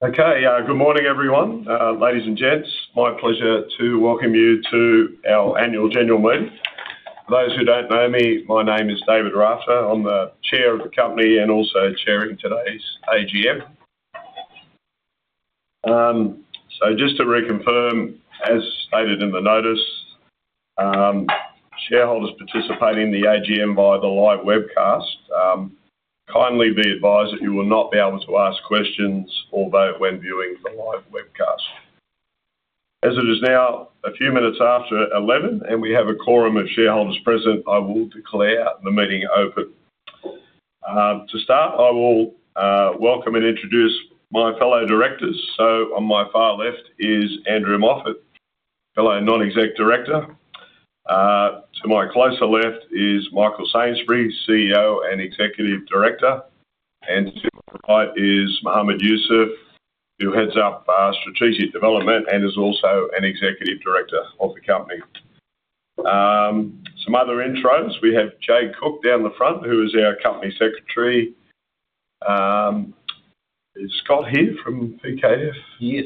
Okay, good morning everyone. Ladies and gents, my pleasure to welcome you to our annual general meeting. For those who don't know me, my name is David Rafter. I'm the Chair of the company and also chairing today's AGM. Just to reconfirm, as stated in the notice, shareholders participate in the AGM via the live webcast. Kindly be advised that you will not be able to ask questions or vote when viewing the live webcast. As it is now a few minutes after 11:00, and we have a quorum of shareholders present, I will declare the meeting open. To start, I will welcome and introduce my fellow directors. On my far left is Andrew Moffat, fellow Non-Exec Director. To my closer left is Michael Sainsbury, CEO and Executive Director. To my right is Mohamed Yoosuff, who heads up Strategic Development and is also an Executive Director of the company. Some other intros, we have Jay Cook down the front, who is our company secretary. Is Scott here from PKF? Yes.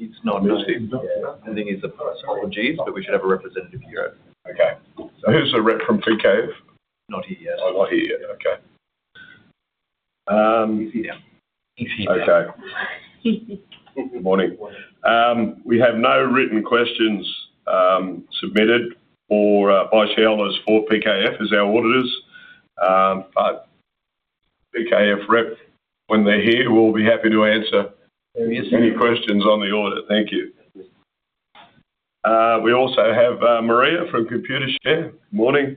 He's not here. I think he's the person. Or Jeeves, but we should have a representative here. Okay. Who's the rep from PKF? Not here yet. Oh, not here yet. Okay. He's here. Okay. Good morning. We have no written questions submitted by shareholders for PKF, as our auditors. PKF rep, when they're here, will be happy to answer any questions on the audit. Thank you. We also have Maria from Computershare. Good morning.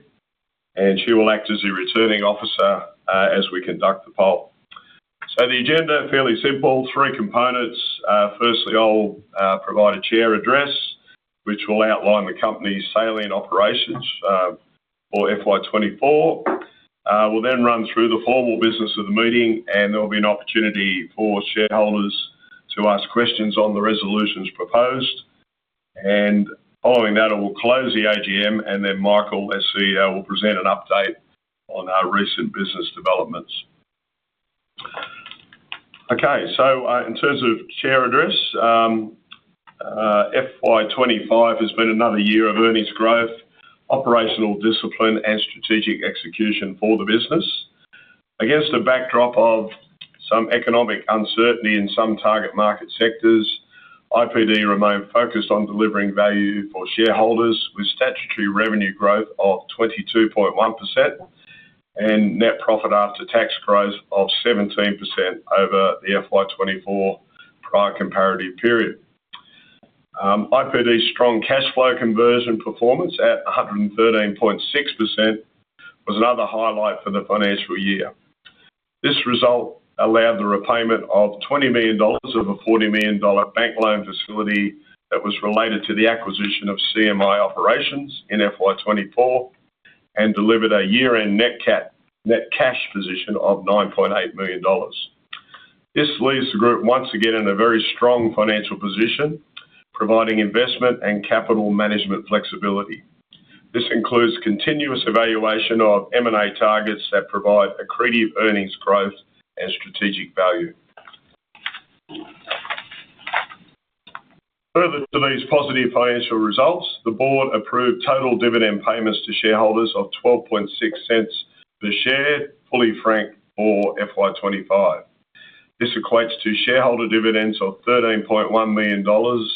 She will act as the returning officer as we conduct the poll. The agenda is fairly simple, three components. Firstly, I'll provide a chair address, which will outline the company's sale and operations for FY 2024. We'll then run through the formal business of the meeting, and there will be an opportunity for shareholders to ask questions on the resolutions proposed. Following that, I will close the AGM, and then Michael, as CEO, will present an update on our recent business developments. Okay, in terms of chair address, FY 2025 has been another year of earnings growth, operational discipline, and strategic execution for the business. Against a backdrop of some economic uncertainty in some target market sectors, IPD remained focused on delivering value for shareholders, with statutory revenue growth of 22.1% and net profit after tax growth of 17% over the FY 2024 prior comparative period. IPD's strong cash flow conversion performance at 113.6% was another highlight for the financial year. This result allowed the repayment of 20 million dollars of a 40 million dollar bank loan facility that was related to the acquisition of CMI operations in FY 2024 and delivered a year-end net cash position of 9.8 million dollars. This leaves the group once again in a very strong financial position, providing investment and capital management flexibility. This includes continuous evaluation of M&A targets that provide accretive earnings growth and strategic value. Further to these positive financial results, the board approved total dividend payments to shareholders of 0.126 per share, fully franked for FY 2025. This equates to shareholder dividends of 13.1 million dollars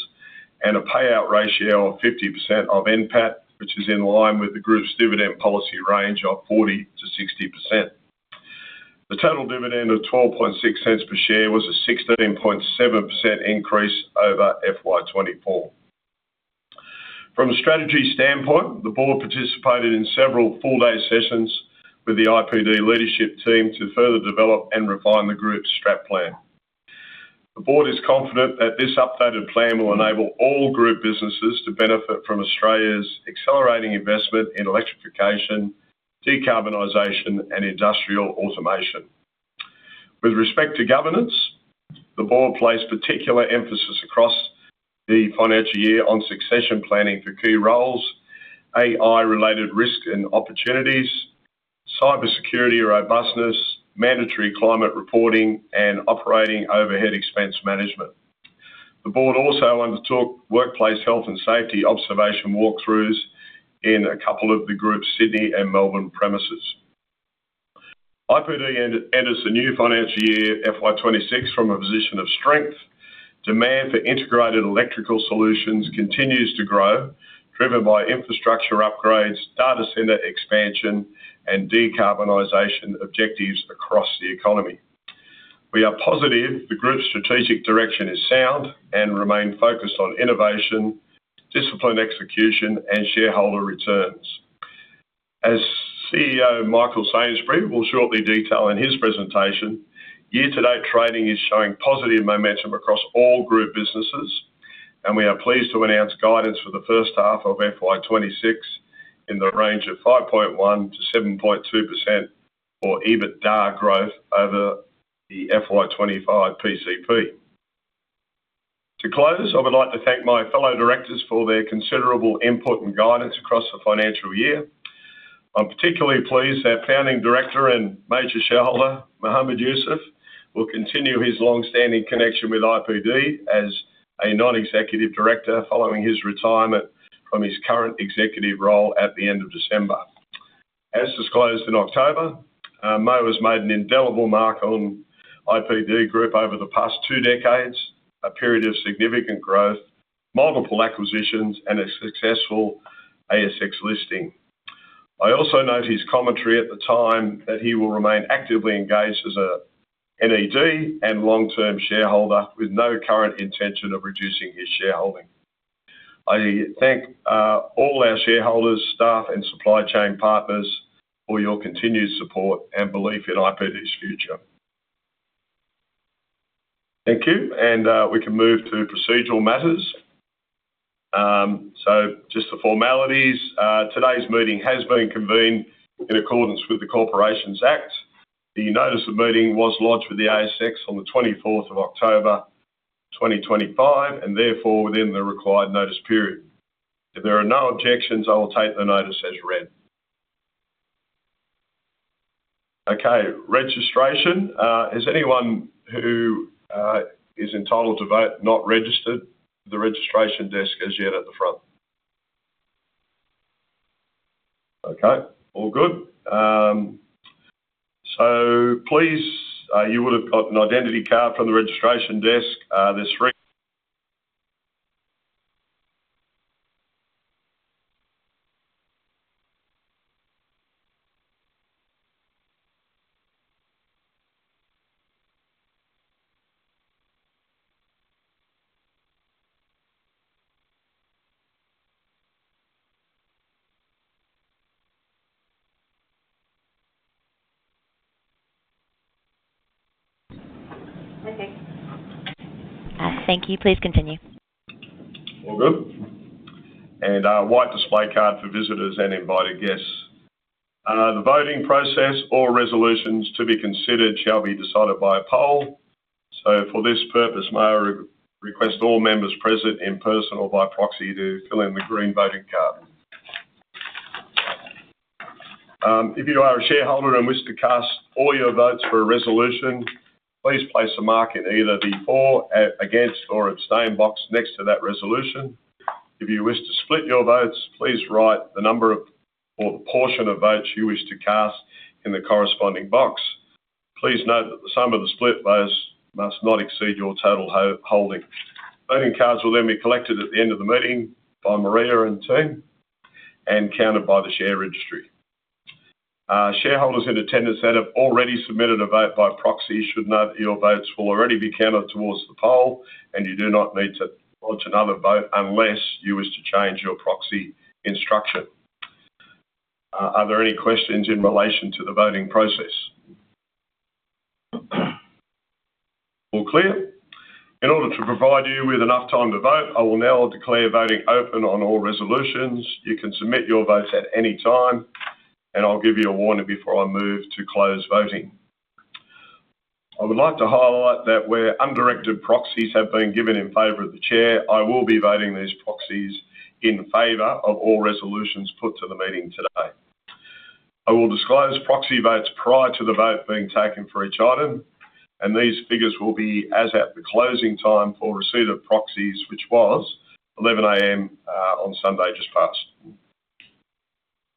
and a payout ratio of 50% of NPAT, which is in line with the group's dividend policy range of 40%-60%. The total dividend of 0.126 per share was a 16.7% increase over FY 2024. From a strategy standpoint, the board participated in several full-day sessions with the IPD leadership team to further develop and refine the group's strat plan. The board is confident that this updated plan will enable all group businesses to benefit from Australia's accelerating investment in electrification, decarbonisation, and industrial automation. With respect to governance, the board placed particular emphasis across the financial year on succession planning for key roles, AI-related risk and opportunities, cybersecurity robustness, mandatory climate reporting, and operating overhead expense management. The board also undertook workplace health and safety observation walkthroughs in a couple of the group's Sydney and Melbourne premises. IPD enters the new financial year, FY 2026, from a position of strength. Demand for integrated electrical solutions continues to grow, driven by infrastructure upgrades, data center expansion, and decarbonization objectives across the economy. We are positive the group's strategic direction is sound and remains focused on innovation, disciplined execution, and shareholder returns. As CEO Michael Sainsbury will shortly detail in his presentation, year-to-date trading is showing positive momentum across all group businesses, and we are pleased to announce guidance for the first half of FY 2026 in the range of 5.1%-7.2% EBITDA growth over the FY 2025 PCP. To close, I would like to thank my fellow directors for their considerable input and guidance across the financial year. I'm particularly pleased that founding director and major shareholder, Mohamed Yoosuff, will continue his long-standing connection with IPD as a non-executive director following his retirement from his current executive role at the end of December. As disclosed in October, Mo has made an indelible mark on IPD Group over the past two decades, a period of significant growth, multiple acquisitions, and a successful ASX listing. I also note his commentary at the time that he will remain actively engaged as an NED and long-term shareholder with no current intention of reducing his shareholding. I thank all our shareholders, staff, and supply chain partners for your continued support and belief in IPD's future. Thank you, and we can move to procedural matters. Just the formalities. Today's meeting has been convened in accordance with the Corporations Act. The notice of meeting was lodged with the ASX on the 24th of October 2025, and therefore within the required notice period. If there are no objections, I will take the notice as read. Okay, registration. Is anyone who is entitled to vote not registered? The registration desk is yet at the front. Okay, all good. Please, you would have got an identity card from the registration desk. There are three. Thank you. Please continue. All good. A white display card for visitors and invited guests. The voting process or resolutions to be considered shall be decided by a poll. For this purpose, may I request all members present in person or by proxy to fill in the green voting card? If you are a shareholder and wish to cast all your votes for a resolution, please place a mark in either the for, against, or abstain box next to that resolution. If you wish to split your votes, please write the number of or the portion of votes you wish to cast in the corresponding box. Please note that the sum of the split votes must not exceed your total holding. Voting cards will then be collected at the end of the meeting by Maria and team and counted by the share registry. Shareholders in attendance that have already submitted a vote by proxy should note that your votes will already be counted towards the poll, and you do not need to lodge another vote unless you wish to change your proxy instruction. Are there any questions in relation to the voting process? All clear. In order to provide you with enough time to vote, I will now declare voting open on all resolutions. You can submit your votes at any time, and I'll give you a warning before I move to close voting. I would like to highlight that where undirected proxies have been given in favor of the chair, I will be voting these proxies in favor of all resolutions put to the meeting today. I will disclose proxy votes prior to the vote being taken for each item, and these figures will be as at the closing time for receipt of proxies, which was 11:00 A.M. on Sunday just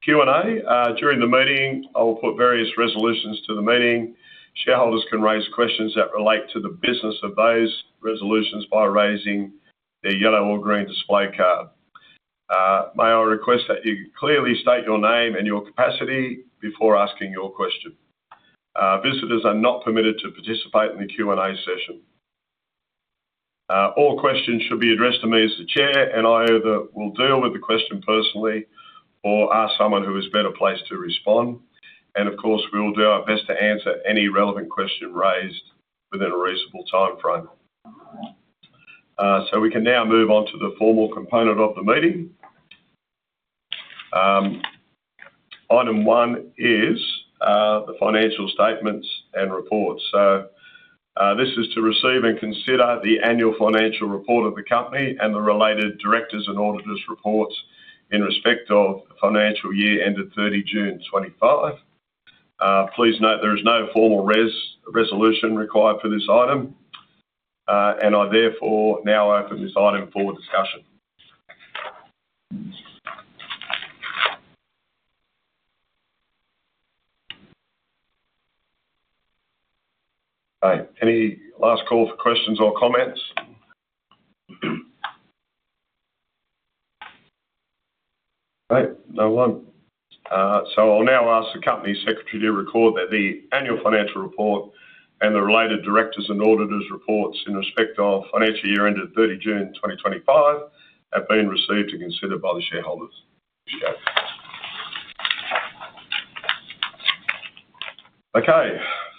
past. Q&A. During the meeting, I will put various resolutions to the meeting. Shareholders can raise questions that relate to the business of those resolutions by raising their yellow or green display card. May I request that you clearly state your name and your capacity before asking your question? Visitors are not permitted to participate in the Q&A session. All questions should be addressed to me as the chair, and I either will deal with the question personally or ask someone who is better placed to respond. Of course, we will do our best to answer any relevant question raised within a reasonable timeframe. We can now move on to the formal component of the meeting. Item one is the financial statements and reports. This is to receive and consider the annual financial report of the company and the related directors and auditors' reports in respect of the financial year ended 30th June 2025. Please note there is no formal resolution required for this item, and I therefore now open this item for discussion. Any last call for questions or comments? No one. I'll now ask the company secretary to record that the annual financial report and the related directors and auditors' reports in respect of financial year ended 30th June 2025 have been received and considered by the shareholders.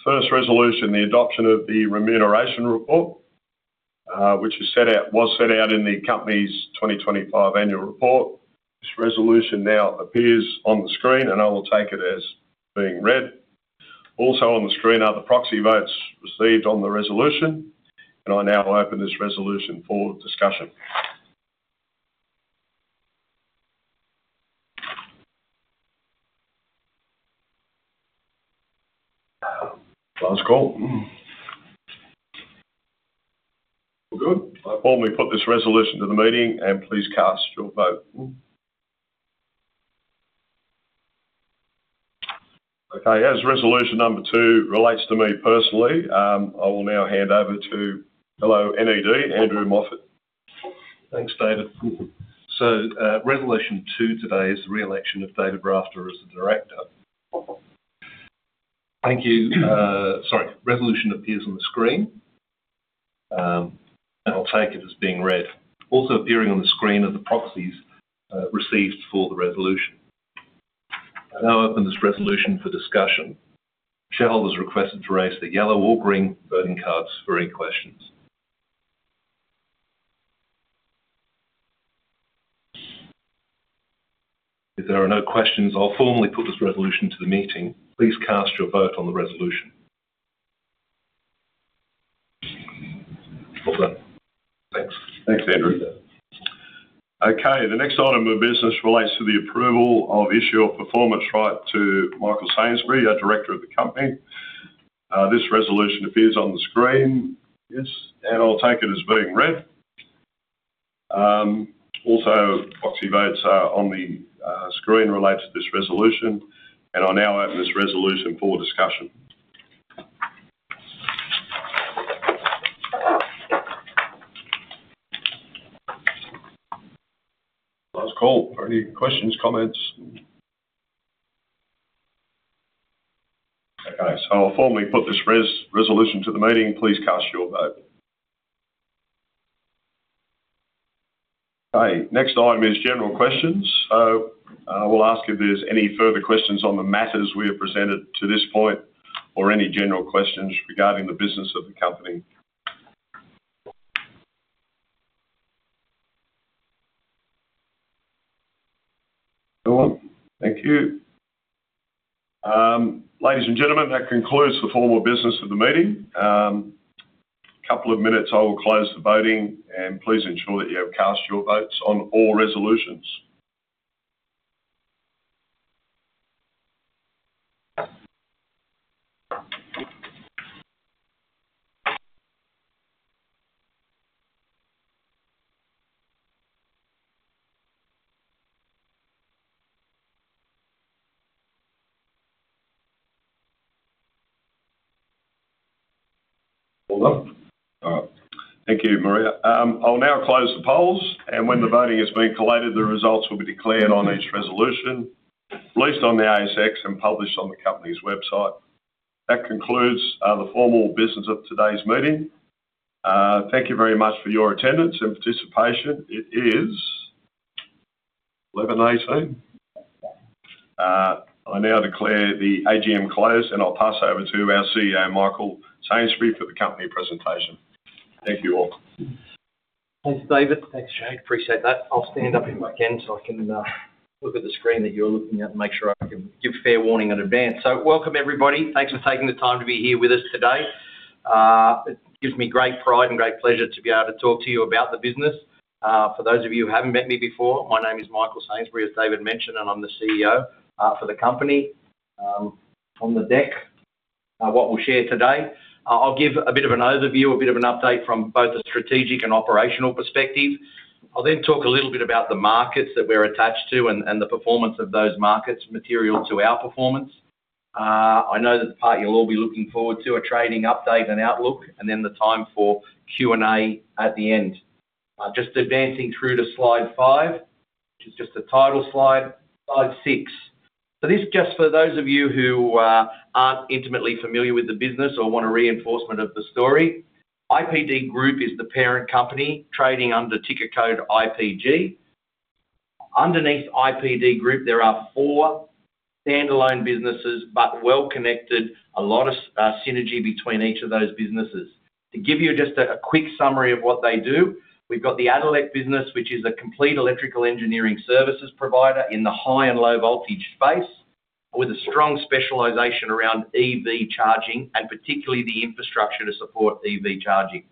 First resolution, the adoption of the remuneration report, which was set out in the company's 2025 annual report. This resolution now appears on the screen, and I will take it as being read. Also on the screen are the proxy votes received on the resolution, and I now open this resolution for discussion. Last call. All good. I formally put this resolution to the meeting, and please cast your vote. Okay, as resolution number two relates to me personally, I will now hand over to fellow NED, Andrew Moffat. Thanks, David. Resolution two today is the re-election of David Rafter as the Director. Thank you. Sorry, resolution appears on the screen, and I'll take it as being read. Also appearing on the screen are the proxies received for the resolution. I now open this resolution for discussion. Shareholders are requested to raise their yellow or green voting cards for any questions. If there are no questions, I'll formally put this resolution to the meeting. Please cast your vote on the resolution. Thanks, Andrew. Okay, the next item of business relates to the approval of issue of performance right to Michael Sainsbury, our director of the company. This resolution appears on the screen. Yes, and I'll take it as being read. Also, proxy votes on the screen relate to this resolution, and I now open this resolution for discussion. Last call for any questions, comments? Okay, so I'll formally put this resolution to the meeting. Please cast your vote. Okay, next item is general questions. I will ask if there's any further questions on the matters we have presented to this point or any general questions regarding the business of the company. No one? Thank you. Ladies and gentlemen, that concludes the formal business of the meeting. A couple of minutes, I will close the voting, and please ensure that you have cast your votes on all resolutions. Thank you, Maria. I'll now close the polls, and when the voting has been collated, the results will be declared on each resolution, released on the ASX and published on the company's website. That concludes the formal business of today's meeting. Thank you very much for your attendance and participation. It is 11:18 A.M. I now declare the AGM closed, and I'll pass over to our CEO, Michael Sainsbury, for the company presentation. Thank you all. Thanks, David. Thanks, Jay. Appreciate that. I'll stand up again so I can look at the screen that you're looking at and make sure I can give fair warning in advance. Welcome, everybody. Thanks for taking the time to be here with us today. It gives me great pride and great pleasure to be able to talk to you about the business. For those of you who haven't met me before, my name is Michael Sainsbury, as David mentioned, and I'm the CEO for the company. On the deck, what we'll share today, I'll give a bit of an overview, a bit of an update from both a strategic and operational perspective. I'll then talk a little bit about the markets that we're attached to and the performance of those markets material to our performance. I know that the part you'll all be looking forward to are trading update and outlook, and then the time for Q&A at the end. Just advancing through to slide five, which is just a title slide, slide six. This just for those of you who aren't intimately familiar with the business or want a reinforcement of the story. IPD Group is the parent company trading under ticket code IPG. Underneath IPD Group, there are four standalone businesses, but well connected, a lot of synergy between each of those businesses. To give you just a quick summary of what they do, we've got the Addelec business, which is a complete electrical engineering services provider in the high and low voltage space with a strong specialization around EV charging and particularly the infrastructure to support EV charging.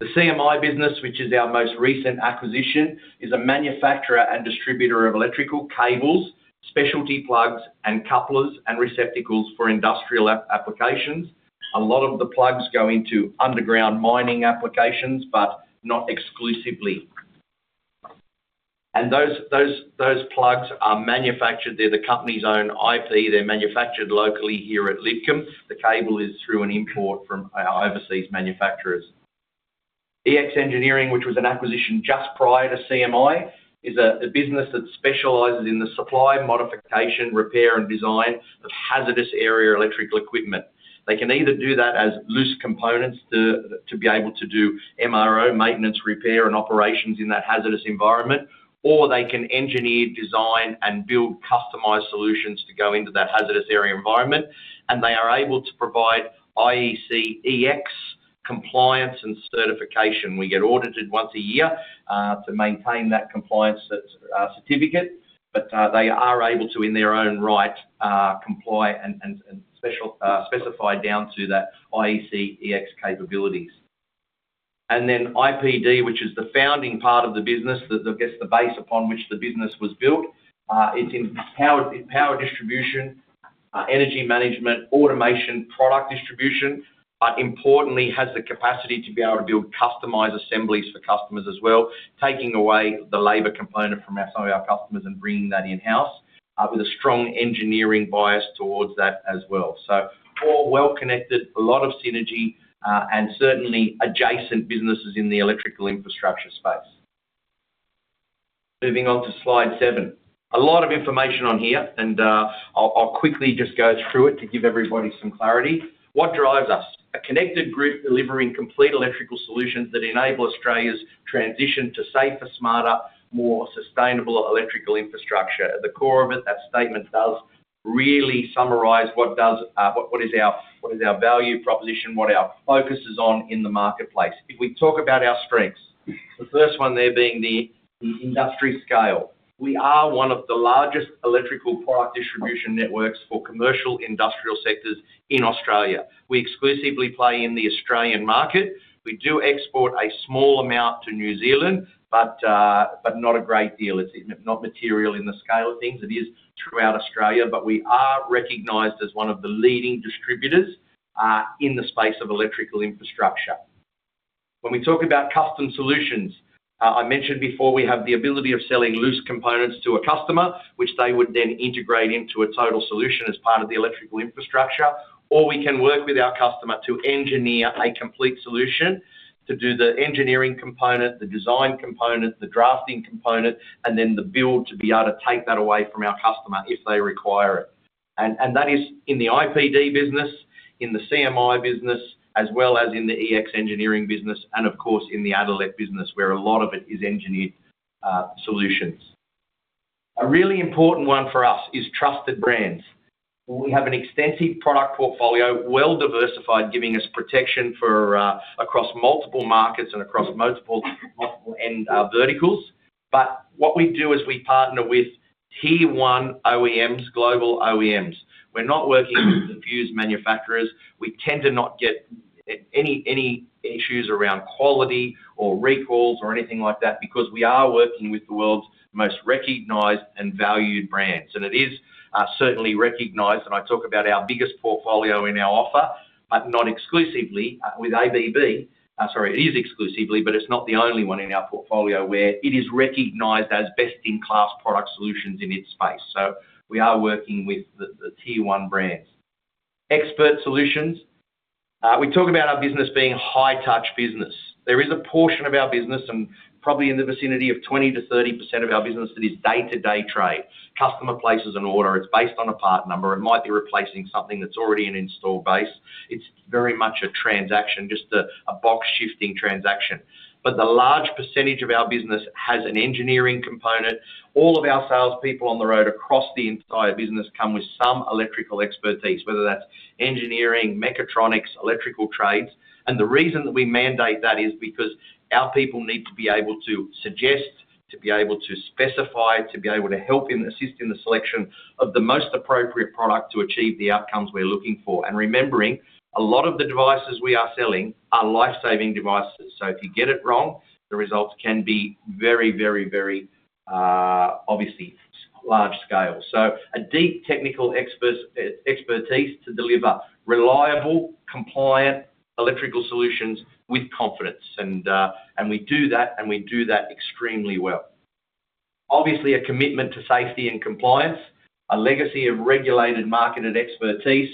The CMI business, which is our most recent acquisition, is a manufacturer and distributor of electrical cables, specialty plugs, and couplers and receptacles for industrial applications. A lot of the plugs go into underground mining applications, but not exclusively. Those plugs are manufactured; they're the company's own IP. They're manufactured locally here at CMI. The cable is through an import from our overseas manufacturers. EX Engineering, which was an acquisition just prior to CMI, is a business that specializes in the supply, modification, repair, and design of hazardous area electrical equipment. They can either do that as loose components to be able to do MRO maintenance, repair, and operations in that hazardous environment, or they can engineer, design, and build customized solutions to go into that hazardous area environment, and they are able to provide IECEx compliance and certification. We get audited once a year to maintain that compliance certificate, but they are able to, in their own right, comply and specify down to that IECEx capabilities. IPD, which is the founding part of the business that gets the base upon which the business was built, is in power distribution, energy management, automation, product distribution, but importantly, has the capacity to be able to build customized assemblies for customers as well, taking away the labor component from some of our customers and bringing that in-house with a strong engineering bias towards that as well. All well connected, a lot of synergy, and certainly adjacent businesses in the electrical infrastructure space. Moving on to slide seven. A lot of information on here, and I'll quickly just go through it to give everybody some clarity. What drives us? A connected grid delivering complete electrical solutions that enable Australia's transition to safer, smarter, more sustainable electrical infrastructure. At the core of it, that statement does really summarize what is our value proposition, what our focus is on in the marketplace. If we talk about our strengths, the first one there being the industry scale. We are one of the largest electrical product distribution networks for commercial industrial sectors in Australia. We exclusively play in the Australian market. We do export a small amount to New Zealand, but not a great deal. It's not material in the scale of things it is throughout Australia, but we are recognized as one of the leading distributors in the space of electrical infrastructure. When we talk about custom solutions, I mentioned before we have the ability of selling loose components to a customer, which they would then integrate into a total solution as part of the electrical infrastructure, or we can work with our customer to engineer a complete solution to do the engineering component, the design component, the drafting component, and then the build to be able to take that away from our customer if they require it. That is in the IPD business, in the CMI business, as well as in the EX Engineering business, and of course in the Addelec business, where a lot of it is engineered solutions. A really important one for us is trusted brands. We have an extensive product portfolio, well diversified, giving us protection across multiple markets and across multiple end verticals. What we do is we partner with T1 OEMs, global OEMs. We're not working with diffused manufacturers. We tend to not get any issues around quality or recalls or anything like that because we are working with the world's most recognized and valued brands. It is certainly recognized, and I talk about our biggest portfolio in our offer, but not exclusively with ABB. Sorry, it is exclusively, but it's not the only one in our portfolio where it is recognized as best-in-class product solutions in its space. We are working with the T1 brands. Expert solutions. We talk about our business being high-touch business. There is a portion of our business, and probably in the vicinity of 20%-30% of our business, that is day-to-day trade. Customer places an order. It's based on a part number. It might be replacing something that's already in install base. It's very much a transaction, just a box-shifting transaction. The large percentage of our business has an engineering component. All of our salespeople on the road across the entire business come with some electrical expertise, whether that's engineering, mechatronics, electrical trades. The reason that we mandate that is because our people need to be able to suggest, to be able to specify, to be able to help in assisting the selection of the most appropriate product to achieve the outcomes we're looking for. Remembering, a lot of the devices we are selling are life-saving devices. If you get it wrong, the results can be very, very, very obviously large scale. A deep technical expertise to deliver reliable, compliant electrical solutions with confidence. We do that, and we do that extremely well. Obviously, a commitment to safety and compliance, a legacy of regulated marketed expertise,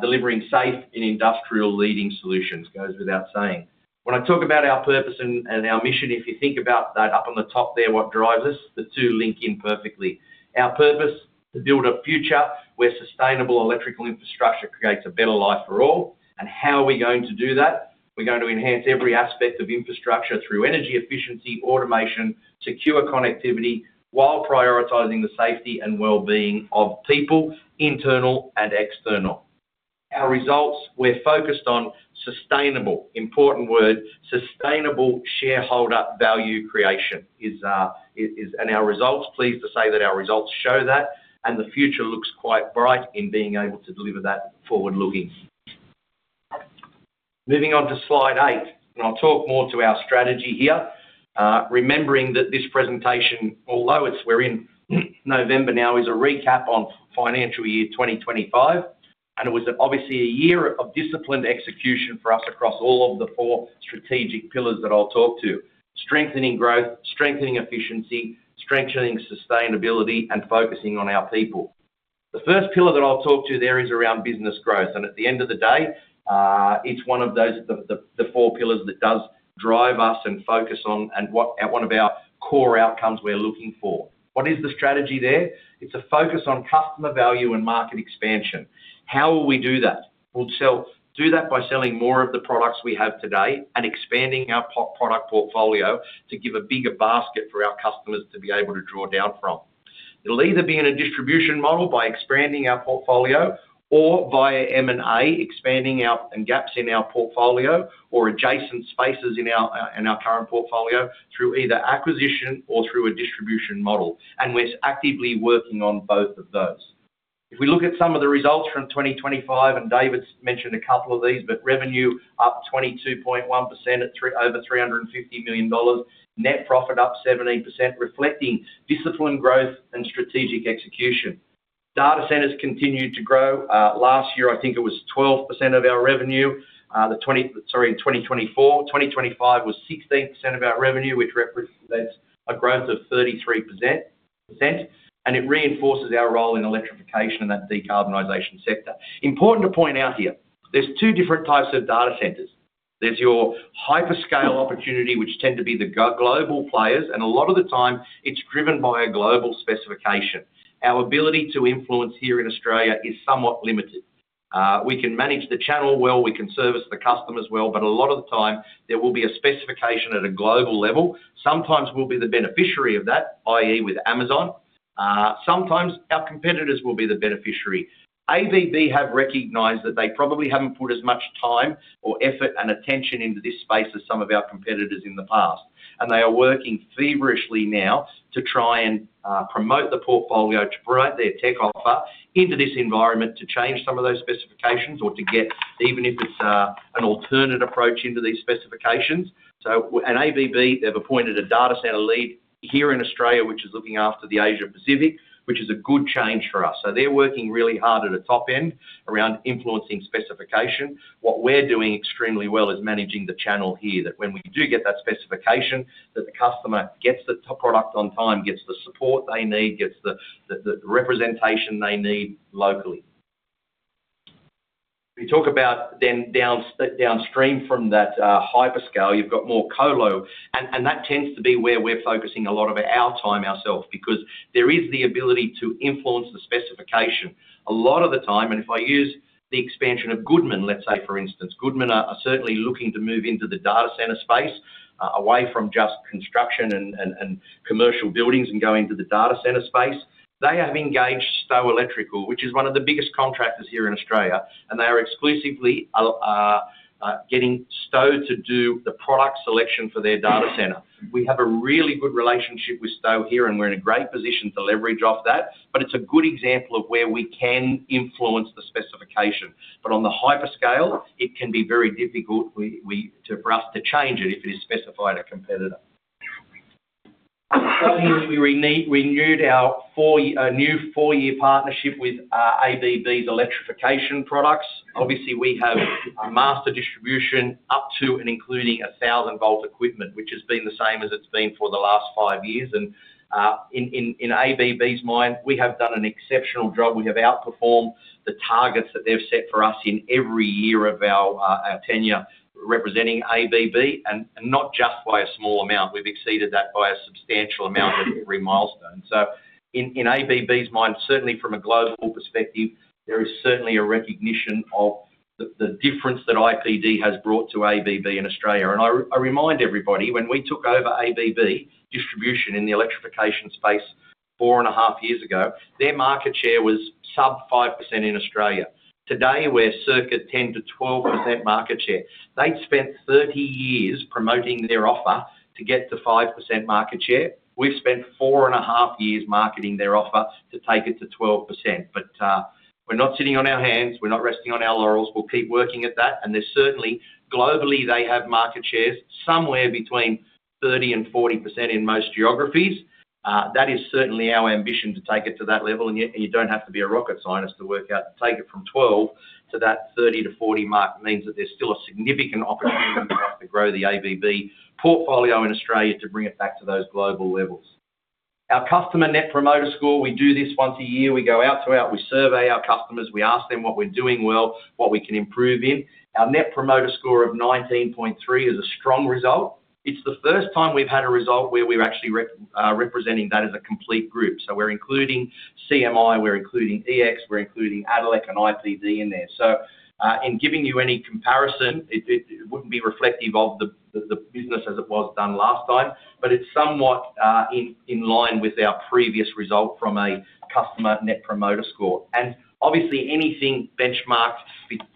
delivering safe and industrial leading solutions goes without saying. When I talk about our purpose and our mission, if you think about that up on the top there, what drives us, the two link in perfectly. Our purpose is to build a future where sustainable electrical infrastructure creates a better life for all. How are we going to do that? We're going to enhance every aspect of infrastructure through energy efficiency, automation, secure connectivity, while prioritizing the safety and well-being of people, internal and external. Our results, we're focused on sustainable, important word, sustainable shareholder value creation. Our results, pleased to say that our results show that, and the future looks quite bright in being able to deliver that forward-looking. Moving on to slide eight, and I'll talk more to our strategy here. Remembering that this presentation, although we're in November now, is a recap on financial year 2025, and it was obviously a year of disciplined execution for us across all of the four strategic pillars that I'll talk to: strengthening growth, strengthening efficiency, strengthening sustainability, and focusing on our people. The first pillar that I'll talk to there is around business growth. At the end of the day, it's one of those four pillars that does drive us and focus on one of our core outcomes we're looking for. What is the strategy there? It's a focus on customer value and market expansion. How will we do that? We'll do that by selling more of the products we have today and expanding our product portfolio to give a bigger basket for our customers to be able to draw down from. It'll either be in a distribution model by expanding our portfolio or via M&A, expanding our gaps in our portfolio or adjacent spaces in our current portfolio through either acquisition or through a distribution model. We're actively working on both of those. If we look at some of the results from 2025, and David mentioned a couple of these, revenue up 22.1%, over 350 million dollars, net profit up 17%, reflecting disciplined growth and strategic execution. Data centers continued to grow. Last year, I think it was 12% of our revenue. Sorry, in 2024, 2025 was 16% of our revenue, which represents a growth of 33%. It reinforces our role in electrification and that decarbonization sector. Important to point out here, there's two different types of data centers. There's your hyperscale opportunity, which tend to be the global players, and a lot of the time it's driven by a global specification. Our ability to influence here in Australia is somewhat limited. We can manage the channel well, we can service the customers well, but a lot of the time there will be a specification at a global level. Sometimes we'll be the beneficiary of that, i.e., with Amazon. Sometimes our competitors will be the beneficiary. ABB have recognized that they probably haven't put as much time or effort and attention into this space as some of our competitors in the past, and they are working feverishly now to try and promote the portfolio, to bring out their tech offer into this environment, to change some of those specifications or to get, even if it's an alternate approach, into these specifications. ABB, they've appointed a data center lead here in Australia, which is looking after the Asia-Pacific, which is a good change for us. They're working really hard at a top end around influencing specification. What we're doing extremely well is managing the channel here, that when we do get that specification, the customer gets the product on time, gets the support they need, gets the representation they need locally. We talk about then downstream from that hyperscale, you've got more colo, and that tends to be where we're focusing a lot of our time ourselves because there is the ability to influence the specification. A lot of the time, and if I use the expansion of Goodman, let's say for instance, Goodman are certainly looking to move into the data center space away from just construction and commercial buildings and go into the data center space. They have engaged Stow Electrical, which is one of the biggest contractors here in Australia, and they are exclusively getting Stow to do the product selection for their data center. We have a really good relationship with Stow here, and we're in a great position to leverage off that. It is a good example of where we can influence the specification. On the hyperscale, it can be very difficult for us to change it if it is specified at competitor. We renewed our new four-year partnership with ABB's electrification products. Obviously, we have master distribution up to and including 1,000-volt equipment, which has been the same as it's been for the last five years. In ABB's mind, we have done an exceptional job. We have outperformed the targets that they've set for us in every year of our tenure representing ABB, and not just by a small amount. We've exceeded that by a substantial amount at every milestone. In ABB's mind, certainly from a global perspective, there is certainly a recognition of the difference that IPD has brought to ABB in Australia. I remind everybody, when we took over ABB distribution in the electrification space four and a half years ago, their market share was sub 5% in Australia. Today, we're circa 10%-12% market share. They'd spent 30 years promoting their offer to get to 5% market share. We've spent four and a half years marketing their offer to take it to 12%. We're not sitting on our hands. We're not resting on our laurels. We'll keep working at that. Certainly, globally, they have market shares somewhere between 30%-40% in most geographies. That is certainly our ambition to take it to that level. You do not have to be a rocket scientist to work out to take it from 12 to that 30-40 mark means that there is still a significant opportunity for us to grow the ABB portfolio in Australia to bring it back to those global levels. Our customer net promoter score, we do this once a year. We go out to out. We survey our customers. We ask them what we are doing well, what we can improve in. Our net promoter score of 19.3 is a strong result. It is the first time we have had a result where we are actually representing that as a complete group. We are including CMI, we are including EX, we are including Addelec and IPD in there. In giving you any comparison, it would not be reflective of the business as it was done last time, but it is somewhat in line with our previous result from a customer net promoter score. Obviously, anything benchmarked,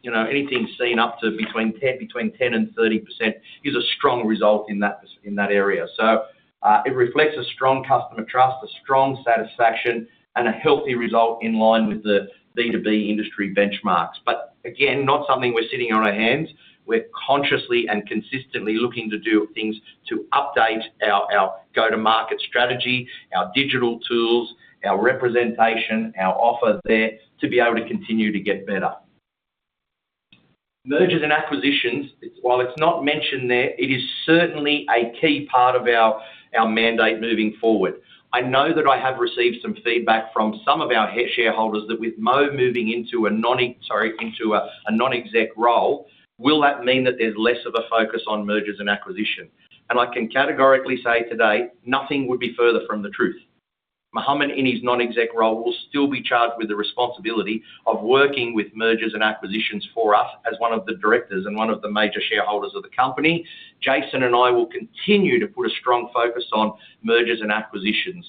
anything seen up to between 10% and 30% is a strong result in that area. It reflects strong customer trust, strong satisfaction, and a healthy result in line with the B2B industry benchmarks. Again, not something we are sitting on our hands. We are consciously and consistently looking to do things to update our go-to-market strategy, our digital tools, our representation, our offer there to be able to continue to get better. Mergers and acquisitions, while it is not mentioned there, it is certainly a key part of our mandate moving forward. I know that I have received some feedback from some of our shareholders that with Mo moving into a Non-Exec role, will that mean that there's less of a focus on mergers and acquisitions? I can categorically say today, nothing would be further from the truth. Mohamed, in his Non-Exec role, will still be charged with the responsibility of working with mergers and acquisitions for us as one of the directors and one of the major shareholders of the company. Jason and I will continue to put a strong focus on mergers and acquisitions.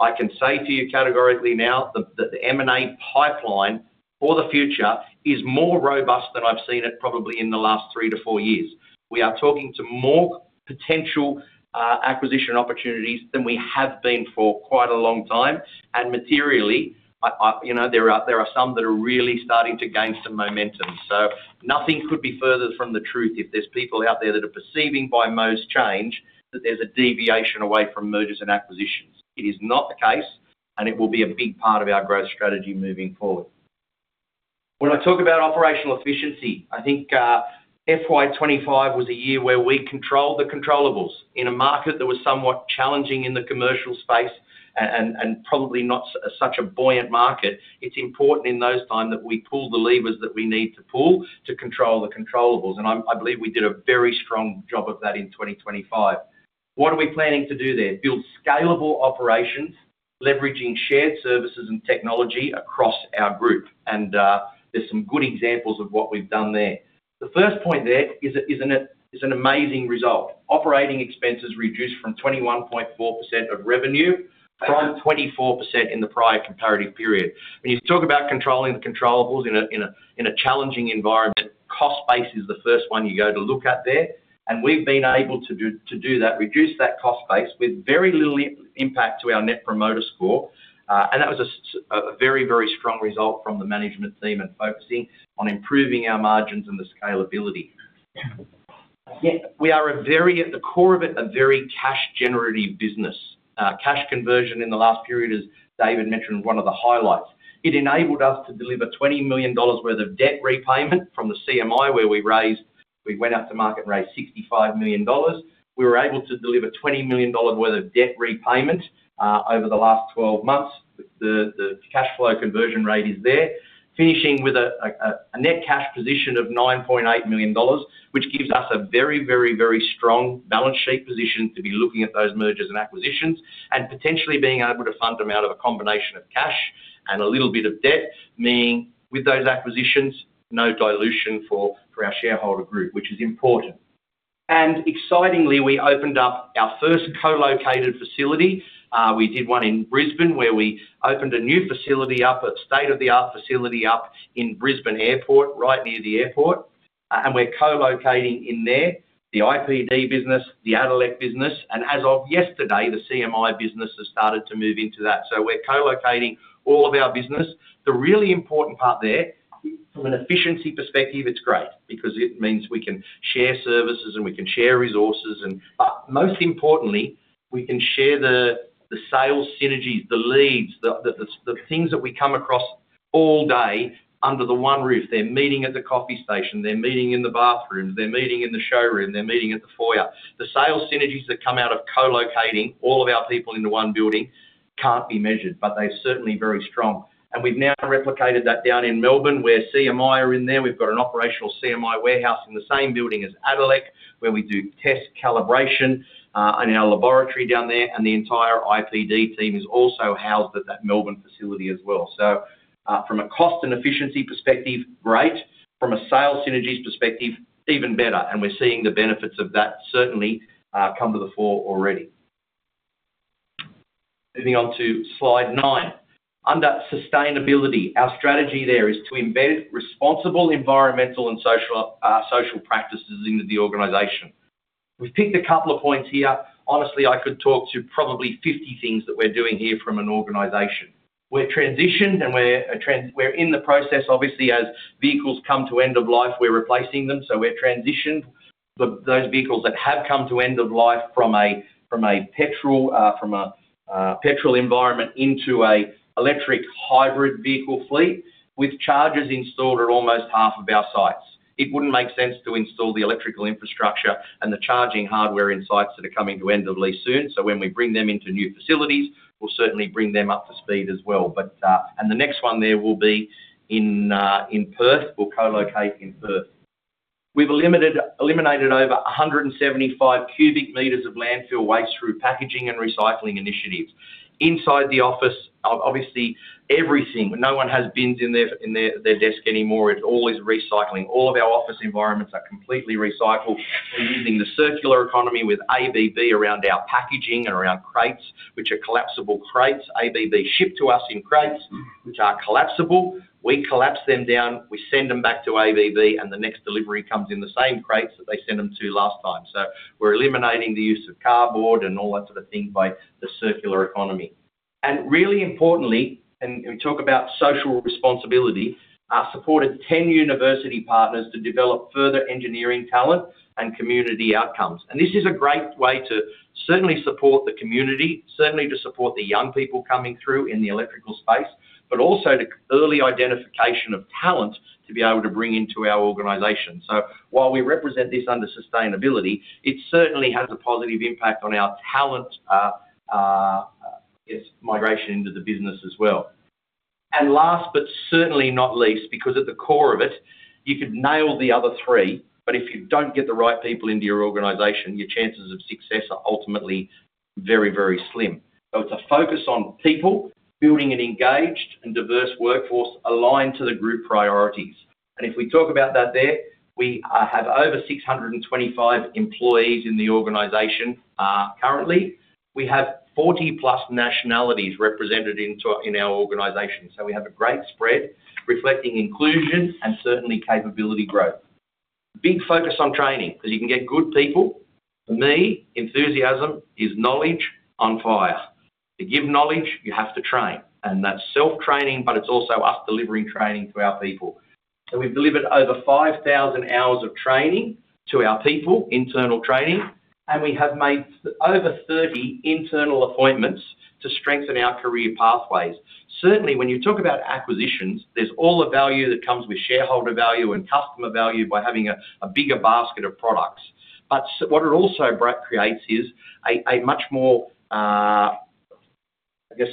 I can say to you categorically now that the M&A pipeline for the future is more robust than I've seen it probably in the last three to four years. We are talking to more potential acquisition opportunities than we have been for quite a long time. Materially, there are some that are really starting to gain some momentum. Nothing could be further from the truth if there are people out there perceiving by Mo's change that there is a deviation away from mergers and acquisitions. It is not the case, and it will be a big part of our growth strategy moving forward. When I talk about operational efficiency, I think FY 2025 was a year where we controlled the controllables, in a market that was somewhat challenging in the commercial space and probably not such a buoyant market. It is important in those times that we pull the levers that we need to pull to control the controllables, and I believe we did a very strong job of that in 2025. What are we planning to do there? Build scalable operations, leveraging shared services and technology across our group. There are some good examples of what we've done there. The first point there is an amazing result. Operating expenses reduced to 21.4% of revenue from 24% in the prior comparative period. When you talk about controlling the controllables in a challenging environment, cost base is the first one you go to look at there. We've been able to do that, reduce that cost base with very little impact to our net promoter score. That was a very, very strong result from the management team and focusing on improving our margins and the scalability. We are at the core of it, a very cash-generative business. Cash conversion in the last period, as David mentioned, one of the highlights. It enabled us to deliver 20 million dollars worth of debt repayment from the CMI, where we went out to market and raised 65 million dollars. We were able to deliver 20 million dollars worth of debt repayment over the last 12 months. The cash flow conversion rate is there, finishing with a net cash position of 9.8 million dollars, which gives us a very, very, very strong balance sheet position to be looking at those mergers and acquisitions and potentially being able to fund them out of a combination of cash and a little bit of debt, meaning with those acquisitions, no dilution for our shareholder group, which is important. Excitingly, we opened up our first co-located facility. We did one in Brisbane, where we opened a new facility up, a state-of-the-art facility up in Brisbane Airport, right near the airport. We are co-locating in there the IPD business, the Addelec business, and as of yesterday, the CMI business has started to move into that. We are co-locating all of our business. The really important part there, from an efficiency perspective, it's great because it means we can share services and we can share resources. Most importantly, we can share the sales synergies, the leads, the things that we come across all day under the one roof. They're meeting at the coffee station, they're meeting in the bathrooms, they're meeting in the showroom, they're meeting at the foyer. The sales synergies that come out of co-locating all of our people into one building can't be measured, but they're certainly very strong. We have now replicated that down in Melbourne, where CMI are in there. We have an operational CMI warehouse in the same building as Addelec, where we do test calibration in our laboratory down there, and the entire IPD team is also housed at that Melbourne facility as well. From a cost and efficiency perspective, great. From a sales synergies perspective, even better. We are seeing the benefits of that certainly come to the fore already. Moving on to slide nine. Under sustainability, our strategy there is to embed responsible environmental and social practices into the organization. We have picked a couple of points here. Honestly, I could talk to probably 50 things that we are doing here from an organization. We are transitioned, and we are in the process, obviously, as vehicles come to end of life, we are replacing them. We are transitioned those vehicles that have come to end of life from a petrol environment into an electric hybrid vehicle fleet with chargers installed at almost half of our sites. It would not make sense to install the electrical infrastructure and the charging hardware in sites that are coming to end of lease soon. When we bring them into new facilities, we'll certainly bring them up to speed as well. The next one there will be in Perth. We'll co-locate in Perth. We've eliminated over 175 cubic meters of landfill waste through packaging and recycling initiatives. Inside the office, obviously, everything, no one has bins in their desk anymore. It all is recycling. All of our office environments are completely recycled. We're using the circular economy with ABB around our packaging and around crates, which are collapsible crates. ABB shipped to us in crates, which are collapsible. We collapse them down, we send them back to ABB, and the next delivery comes in the same crates that they sent them to last time. We're eliminating the use of cardboard and all that sort of thing by the circular economy. Really importantly, and we talk about social responsibility, supported 10 university partners to develop further engineering talent and community outcomes. This is a great way to certainly support the community, certainly to support the young people coming through in the electrical space, but also to early identification of talent to be able to bring into our organization. While we represent this under sustainability, it certainly has a positive impact on our talent migration into the business as well. Last but certainly not least, because at the core of it, you could nail the other three, but if you do not get the right people into your organization, your chances of success are ultimately very, very slim. It is a focus on people, building an engaged and diverse workforce aligned to the group priorities. If we talk about that there, we have over 625 employees in the organization currently. We have 40+ nationalities represented in our organization. We have a great spread reflecting inclusion and certainly capability growth. Big focus on training because you can get good people. For me, enthusiasm is knowledge on fire. To give knowledge, you have to train. That is self-training, but it is also us delivering training to our people. We have delivered over 5,000 hours of training to our people, internal training, and we have made over 30 internal appointments to strengthen our career pathways. Certainly, when you talk about acquisitions, there is all the value that comes with shareholder value and customer value by having a bigger basket of products. What it also creates is a much more, I guess,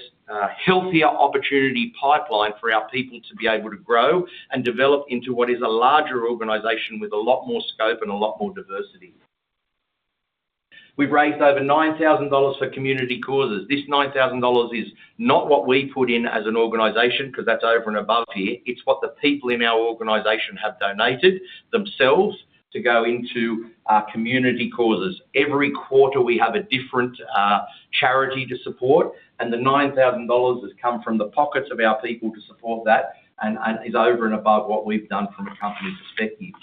healthier opportunity pipeline for our people to be able to grow and develop into what is a larger organization with a lot more scope and a lot more diversity. We've raised over 9,000 dollars for community causes. This 9,000 dollars is not what we put in as an organization because that's over and above here. It's what the people in our organization have donated themselves to go into community causes. Every quarter, we have a different charity to support, and the 9,000 dollars has come from the pockets of our people to support that and is over and above what we've done from a company perspective.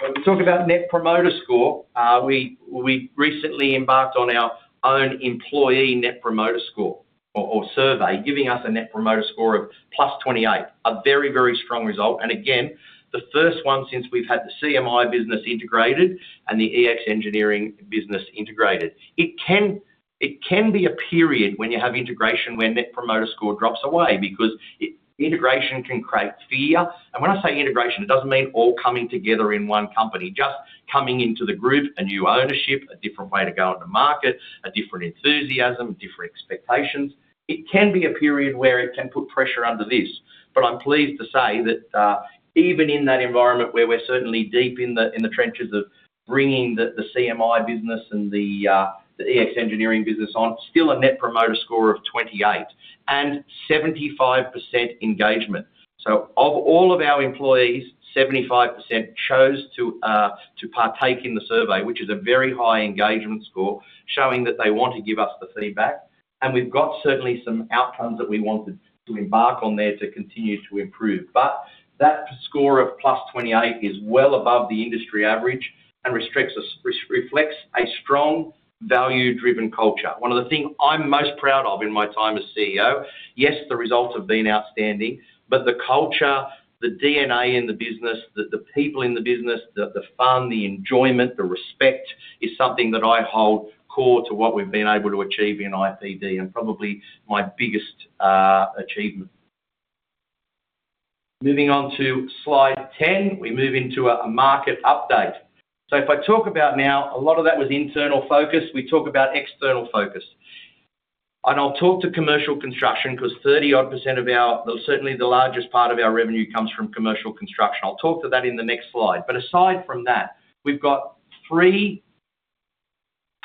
When we talk about net promoter score, we recently embarked on our own employee net promoter score or survey, giving us a net promoter score of +28, a very, very strong result. Again, the first one since we've had the CMI business integrated and the EX Engineering business integrated. It can be a period when you have integration where net promoter score drops away because integration can create fear. When I say integration, it doesn't mean all coming together in one company, just coming into the group, a new ownership, a different way to go on the market, a different enthusiasm, different expectations. It can be a period where it can put pressure under this. I'm pleased to say that even in that environment where we're certainly deep in the trenches of bringing the CMI business and the EX Engineering business on, still a net promoter score of 28 and 75% engagement. Of all of our employees, 75% chose to partake in the survey, which is a very high engagement score showing that they want to give us the feedback. We have certainly some outcomes that we wanted to embark on there to continue to improve. That score of +28 is well above the industry average and reflects a strong value-driven culture. One of the things I am most proud of in my time as CEO, yes, the results have been outstanding, but the culture, the DNA in the business, the people in the business, the fun, the enjoyment, the respect is something that I hold core to what we have been able to achieve in IPD and probably my biggest achievement. Moving on to slide 10, we move into a market update. If I talk about now, a lot of that was internal focus. We talk about external focus. I'll talk to commercial construction because 30-odd % of our—certainly the largest part of our revenue comes from commercial construction. I'll talk to that in the next slide. Aside from that, we've got three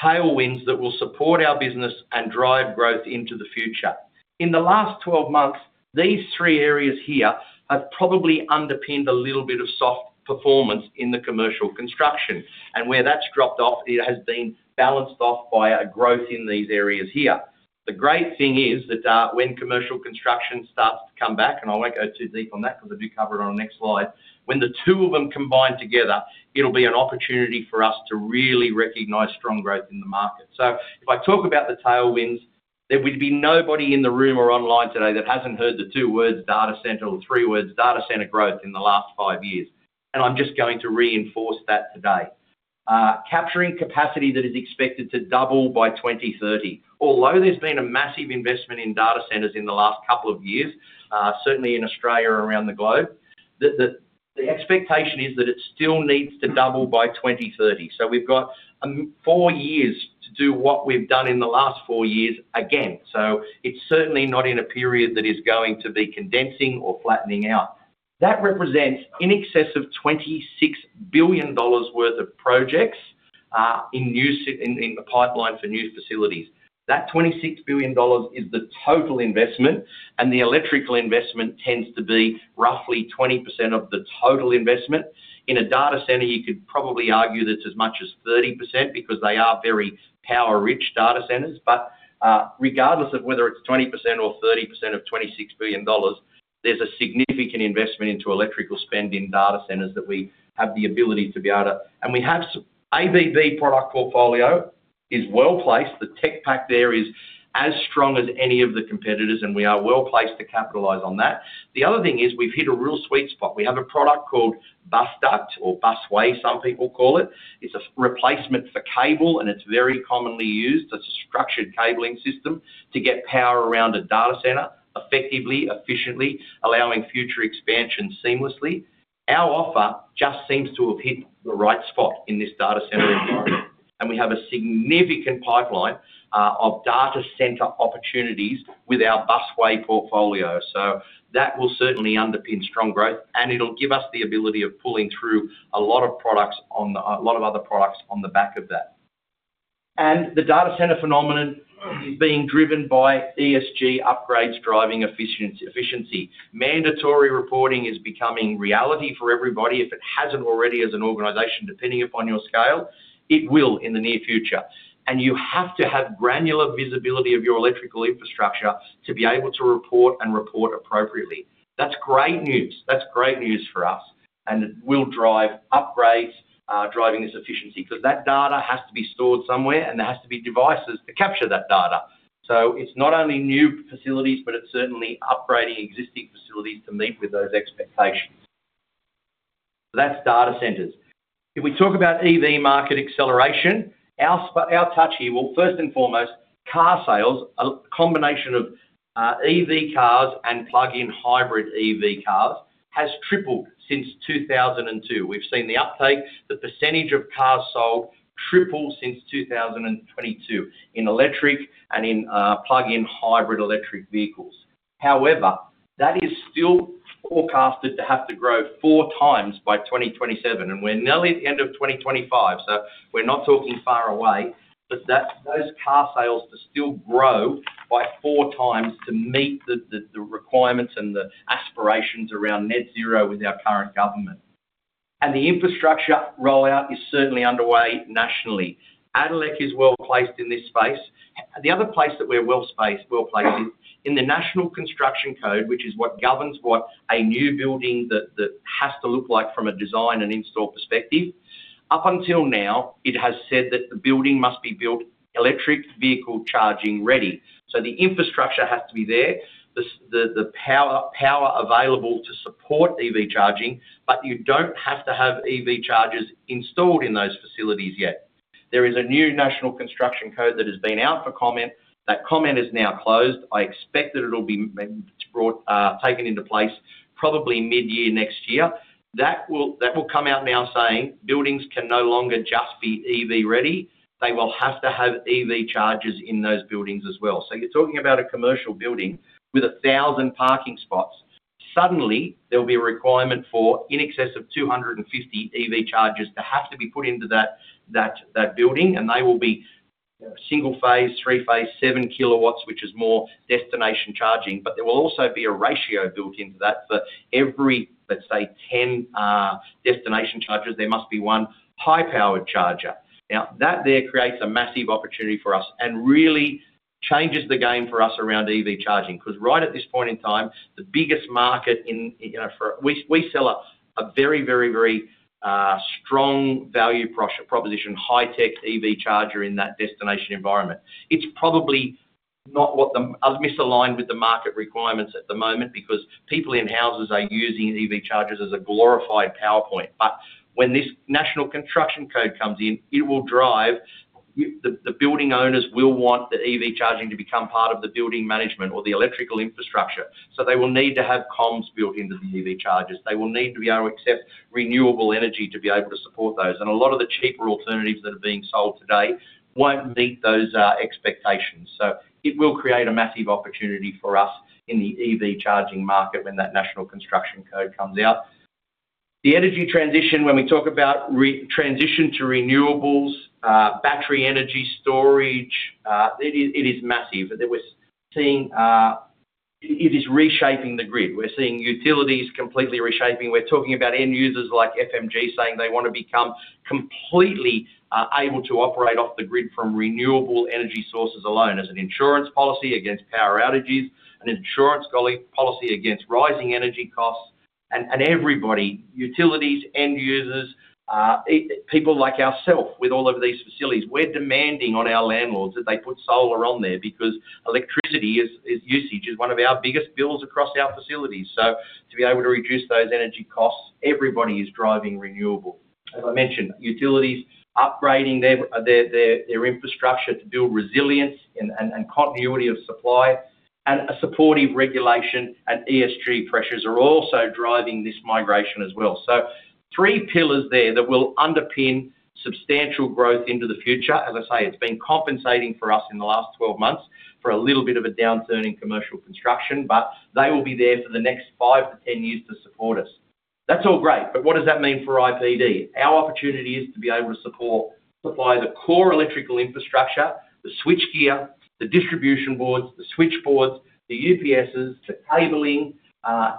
tailwinds that will support our business and drive growth into the future. In the last 12 months, these three areas here have probably underpinned a little bit of soft performance in the commercial construction. Where that's dropped off, it has been balanced off by a growth in these areas here. The great thing is that when commercial construction starts to come back, and I won't go too deep on that because I do cover it on the next slide, when the two of them combine together, it'll be an opportunity for us to really recognize strong growth in the market. If I talk about the tailwinds, there would be nobody in the room or online today that hasn't heard the two words data center or three words data center growth in the last five years. I'm just going to reinforce that today. Capturing capacity that is expected to double by 2030. Although there's been a massive investment in data centers in the last couple of years, certainly in Australia and around the globe, the expectation is that it still needs to double by 2030. We've got four years to do what we've done in the last four years again. It's certainly not in a period that is going to be condensing or flattening out. That represents in excess of 26 billion dollars worth of projects in the pipeline for new facilities. That 26 billion dollars is the total investment, and the electrical investment tends to be roughly 20% of the total investment. In a data center, you could probably argue that's as much as 30% because they are very power-rich data centers. Regardless of whether it's 20% or 30% of 26 billion dollars, there's a significant investment into electrical spend in data centers that we have the ability to be able to, and we have ABB product portfolio is well placed. The tech pack there is as strong as any of the competitors, and we are well placed to capitalize on that. The other thing is we've hit a real sweet spot. We have a product called Busduct or Busway, some people call it. It's a replacement for cable, and it's very commonly used. It's a structured cabling system to get power around a data center effectively, efficiently, allowing future expansion seamlessly. Our offer just seems to have hit the right spot in this data center environment. We have a significant pipeline of data center opportunities with our Busway portfolio. That will certainly underpin strong growth, and it will give us the ability of pulling through a lot of products, a lot of other products on the back of that. The data center phenomenon is being driven by ESG upgrades driving efficiency. Mandatory reporting is becoming reality for everybody. If it has not already as an organization, depending upon your scale, it will in the near future. You have to have granular visibility of your electrical infrastructure to be able to report and report appropriately. That is great news. That is great news for us. It will drive upgrades, driving this efficiency because that data has to be stored somewhere, and there have to be devices to capture that data. It is not only new facilities, but it is certainly upgrading existing facilities to meet with those expectations. That is data centers. If we talk about EV market acceleration, our touch here, first and foremost, car sales, a combination of EV cars and Plug-in Hybrid EV cars, has tripled since 2002. We have seen the uptake, the percentage of cars sold tripled since 2022 in electric and in Plug-in Hybrid Electric Vehicles. However, that is still forecasted to have to grow four times by 2027, and we are nearly at the end of 2025. We are not talking far away, but those car sales still have to grow by four times to meet the requirements and the aspirations around net zero with our current government. The infrastructure rollout is certainly underway nationally. Addelec is well placed in this space. The other place that we're well placed in the national construction code, which is what governs what a new building has to look like from a design and install perspective. Up until now, it has said that the building must be built electric vehicle charging ready. So the infrastructure has to be there, the power available to support EV charging, but you don't have to have EV chargers installed in those facilities yet. There is a new national construction code that has been out for comment. That comment is now closed. I expect that it'll be taken into place probably mid-year next year. That will come out now saying buildings can no longer just be EV-ready. They will have to have EV chargers in those buildings as well. You're talking about a commercial building with 1,000 parking spots. Suddenly, there'll be a requirement for in excess of 250 EV chargers to have to be put into that building, and they will be single phase, three phase, 7 kW, which is more destination charging. There will also be a ratio built into that for every, let's say, 10 destination chargers, there must be one high-powered charger. That creates a massive opportunity for us and really changes the game for us around EV charging because right at this point in time, the biggest market in, we sell a very, very, very strong value proposition, high-tech EV charger in that destination environment. It's probably not what the, is misaligned with the market requirements at the moment because people in houses are using EV chargers as a glorified PowerPoint. When this national construction code comes in, it will drive the building owners will want the EV charging to become part of the building management or the electrical infrastructure. They will need to have comms built into the EV chargers. They will need to be able to accept renewable energy to be able to support those. A lot of the cheaper alternatives that are being sold today won't meet those expectations. It will create a massive opportunity for us in the EV charging market when that national construction code comes out. The energy transition, when we talk about transition to renewables, battery energy storage, it is massive. It is reshaping the grid. We're seeing utilities completely reshaping. We're talking about end users like FMG saying they want to become completely able to operate off the grid from renewable energy sources alone as an insurance policy against power outages, an insurance policy against rising energy costs, and everybody, utilities, end users, people like ourself with all of these facilities. We're demanding on our landlords that they put solar on there because electricity usage is one of our biggest bills across our facilities. To be able to reduce those energy costs, everybody is driving renewable. As I mentioned, utilities upgrading their infrastructure to build resilience and continuity of supply and a supportive regulation and ESG pressures are also driving this migration as well. Three pillars there that will underpin substantial growth into the future. As I say, it's been compensating for us in the last 12 months for a little bit of a downturn in commercial construction, but they will be there for the next 5-10 years to support us. That's all great, but what does that mean for IPD? Our opportunity is to be able to support, supply the core electrical infrastructure, the switchgear, the distribution boards, the switchboards, the UPSs to cabling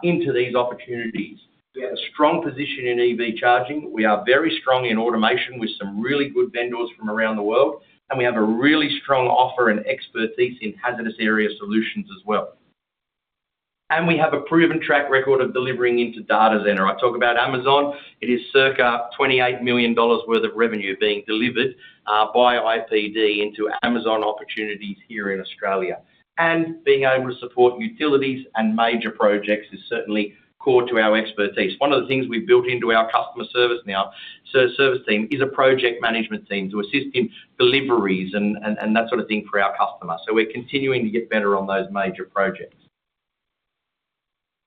into these opportunities. We have a strong position in EV charging. We are very strong in automation with some really good vendors from around the world, and we have a really strong offer and expertise in hazardous area solutions as well. We have a proven track record of delivering into data center. I talk about Amazon. It is circa 28 million dollars worth of revenue being delivered by IPD into Amazon opportunities here in Australia. Being able to support utilities and major projects is certainly core to our expertise. One of the things we have built into our customer service now, service team, is a project management team to assist in deliveries and that sort of thing for our customers. We are continuing to get better on those major projects.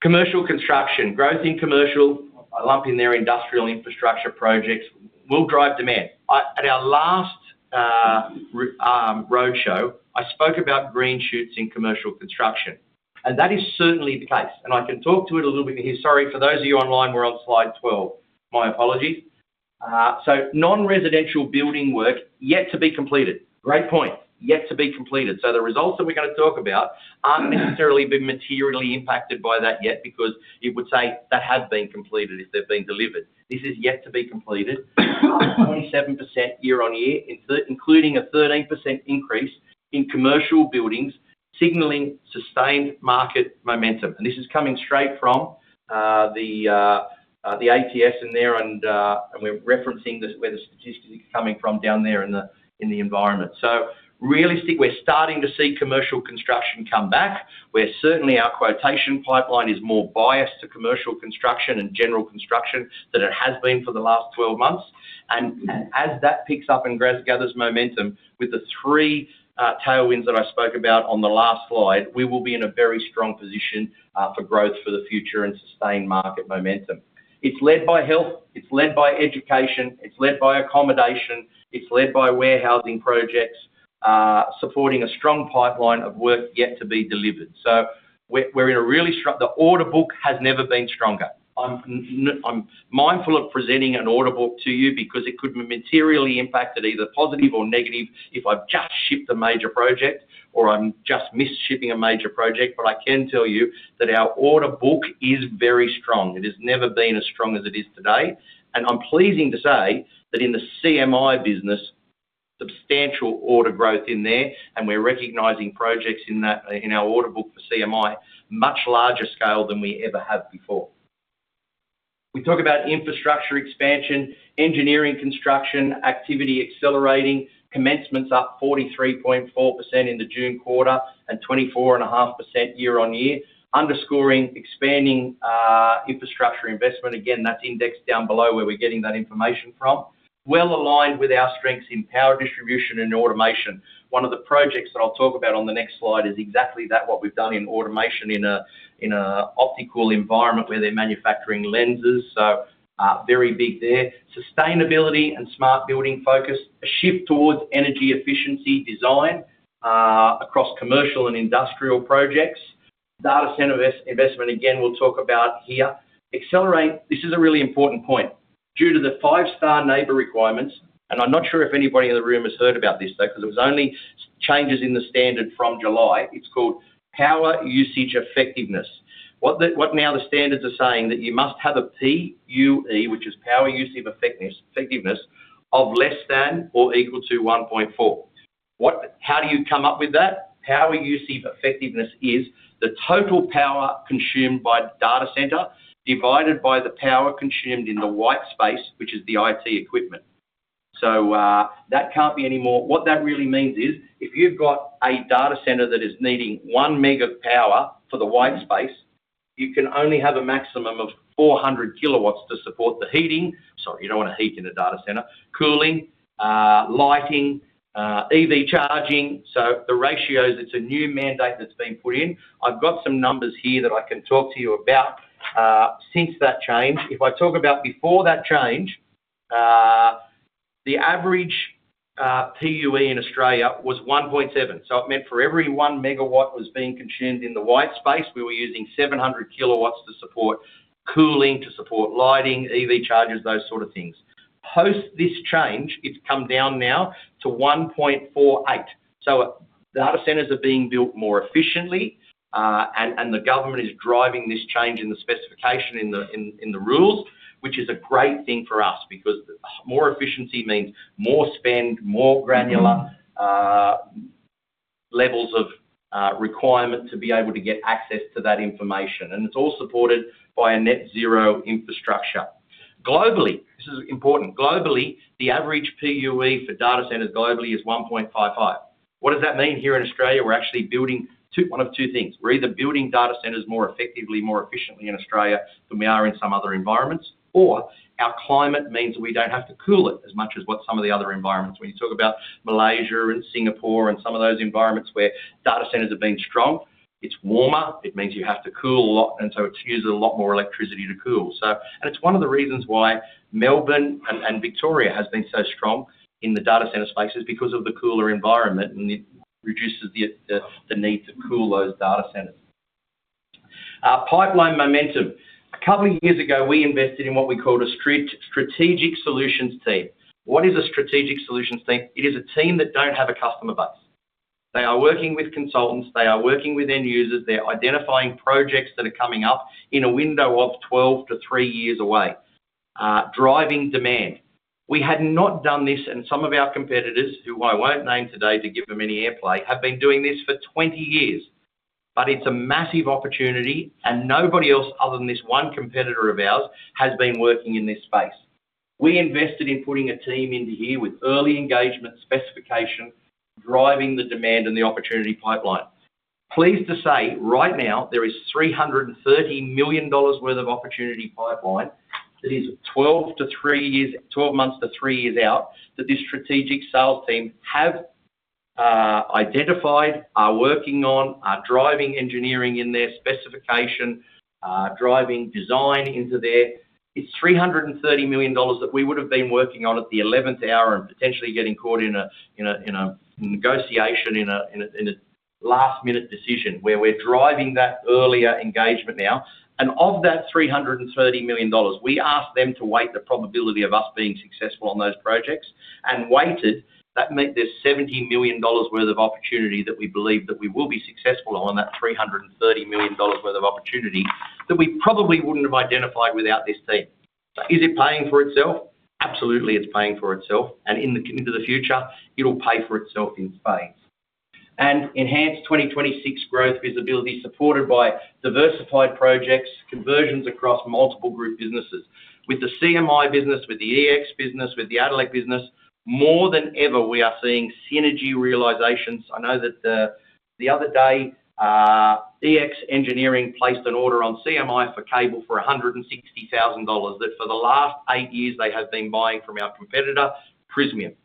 Commercial construction, growth in commercial, lumping their industrial infrastructure projects will drive demand. At our last roadshow, I spoke about green shoots in commercial construction, and that is certainly the case. I can talk to it a little bit here. Sorry, for those of you online, we are on slide 12. My apologies. Non-residential building work yet to be completed. Great point. Yet to be completed. The results that we're going to talk about aren't necessarily being materially impacted by that yet because you would say that had been completed if they've been delivered. This is yet to be completed. 27% year-on-year, including a 13% increase in commercial buildings, signaling sustained market momentum. This is coming straight from the ABS in there, and we're referencing where the statistics are coming from down there in the environment. Realistically, we're starting to see commercial construction come back. We're certainly, our quotation pipeline is more biased to commercial construction and general construction than it has been for the last 12 months. As that picks up and gathers momentum with the three tailwinds that I spoke about on the last slide, we will be in a very strong position for growth for the future and sustained market momentum. It's led by health. It's led by education. It's led by accommodation. It's led by warehousing projects, supporting a strong pipeline of work yet to be delivered. We are in a really, the order book has never been stronger. I'm mindful of presenting an order book to you because it could materially impact it, either positive or negative, if I've just shipped a major project or I'm just miss-shipping a major project. I can tell you that our order book is very strong. It has never been as strong as it is today. I'm pleasing to say that in the CMI business, substantial order growth in there, and we're recognizing projects in our order book for CMI, much larger scale than we ever have before. We talk about infrastructure expansion, engineering construction activity accelerating, commencements up 43.4% in the June quarter and 24.5% year-on-year, underscoring expanding infrastructure investment. Again, that's indexed down below where we're getting that information from. Well aligned with our strengths in power distribution and automation. One of the projects that I'll talk about on the next slide is exactly that, what we've done in automation in an optical environment where they're manufacturing lenses. So very big there. Sustainability and smart building focus, a shift towards energy efficiency design across commercial and industrial projects. Data center investment, again, we'll talk about here. Accelerate, this is a really important point. Due to the 5-Star NABERS requirements, and I'm not sure if anybody in the room has heard about this though because it was only changes in the standard from July. It's called power usage effectiveness. What now the standards are saying that you must have a PUE, which is power usage effectiveness, of less than or equal to 1.4. How do you come up with that? Power usage effectiveness is the total power consumed by data center divided by the power consumed in the whitespace, which is the IT equipment. That cannot be any more. What that really means is if you have got a data center that is needing 1 meg of power for the whitespace, you can only have a maximum of 400 kW to support the heating. Sorry, you do not want to heat in a data center. Cooling, lighting, EV charging. The ratios, it is a new mandate that has been put in. I have got some numbers here that I can talk to you about since that change. If I talk about before that change, the average PUE in Australia was 1.7. It meant for every one megawatt was being consumed in the whitespace, we were using 700 kW to support cooling, to support lighting, EV chargers, those sort of things. Post this change, it's come down now to 1.48. Data centers are being built more efficiently, and the government is driving this change in the specification, in the rules, which is a great thing for us because more efficiency means more spend, more granular levels of requirement to be able to get access to that information. It's all supported by a net zero infrastructure. Globally, this is important. Globally, the average PUE for data centers globally is 1.55. What does that mean here in Australia? We're actually building one of two things. We're either building data centers more effectively, more efficiently in Australia than we are in some other environments, or our climate means that we don't have to cool it as much as what some of the other environments. When you talk about Malaysia and Singapore and some of those environments where data centers have been strong, it's warmer. It means you have to cool a lot, and so it uses a lot more electricity to cool. It is one of the reasons why Melbourne and Victoria has been so strong in the data center spaces because of the cooler environment, and it reduces the need to cool those data centers. Pipeline momentum. A couple of years ago, we invested in what we called a strategic solutions team. What is a strategic solutions team? It is a team that don't have a customer base. They are working with consultants. They are working with end users. They're identifying projects that are coming up in a window of 12 to 3 years away, driving demand. We had not done this, and some of our competitors, who I won't name today to give them any airplay, have been doing this for 20 years. It is a massive opportunity, and nobody else other than this one competitor of ours has been working in this space. We invested in putting a team into here with early engagement specification, driving the demand and the opportunity pipeline. Pleased to say, right now, there is 330 million dollars worth of opportunity pipeline. It is 12 months to 3 years out that this strategic sales team have identified, are working on, are driving engineering in their specification, driving design into there. It's 330 million dollars that we would have been working on at the 11th hour and potentially getting caught in a negotiation in a last-minute decision where we're driving that earlier engagement now. Of that 330 million dollars, we asked them to weigh the probability of us being successful on those projects and weighted. That meant there's 70 million dollars worth of opportunity that we believe that we will be successful on, that 330 million dollars worth of opportunity that we probably wouldn't have identified without this team. Is it paying for itself? Absolutely, it's paying for itself. Into the future, it'll pay for itself in spades. Enhanced 2026 growth visibility supported by diversified projects, conversions across multiple group businesses. With the CMI business, with the EX business, with the Adelaide business, more than ever, we are seeing synergy realizations. I know that the other day, EX Engineering placed an order on CMI for cable for 160,000 dollars that for the last eight years they have been buying from our competitor, Prysmian.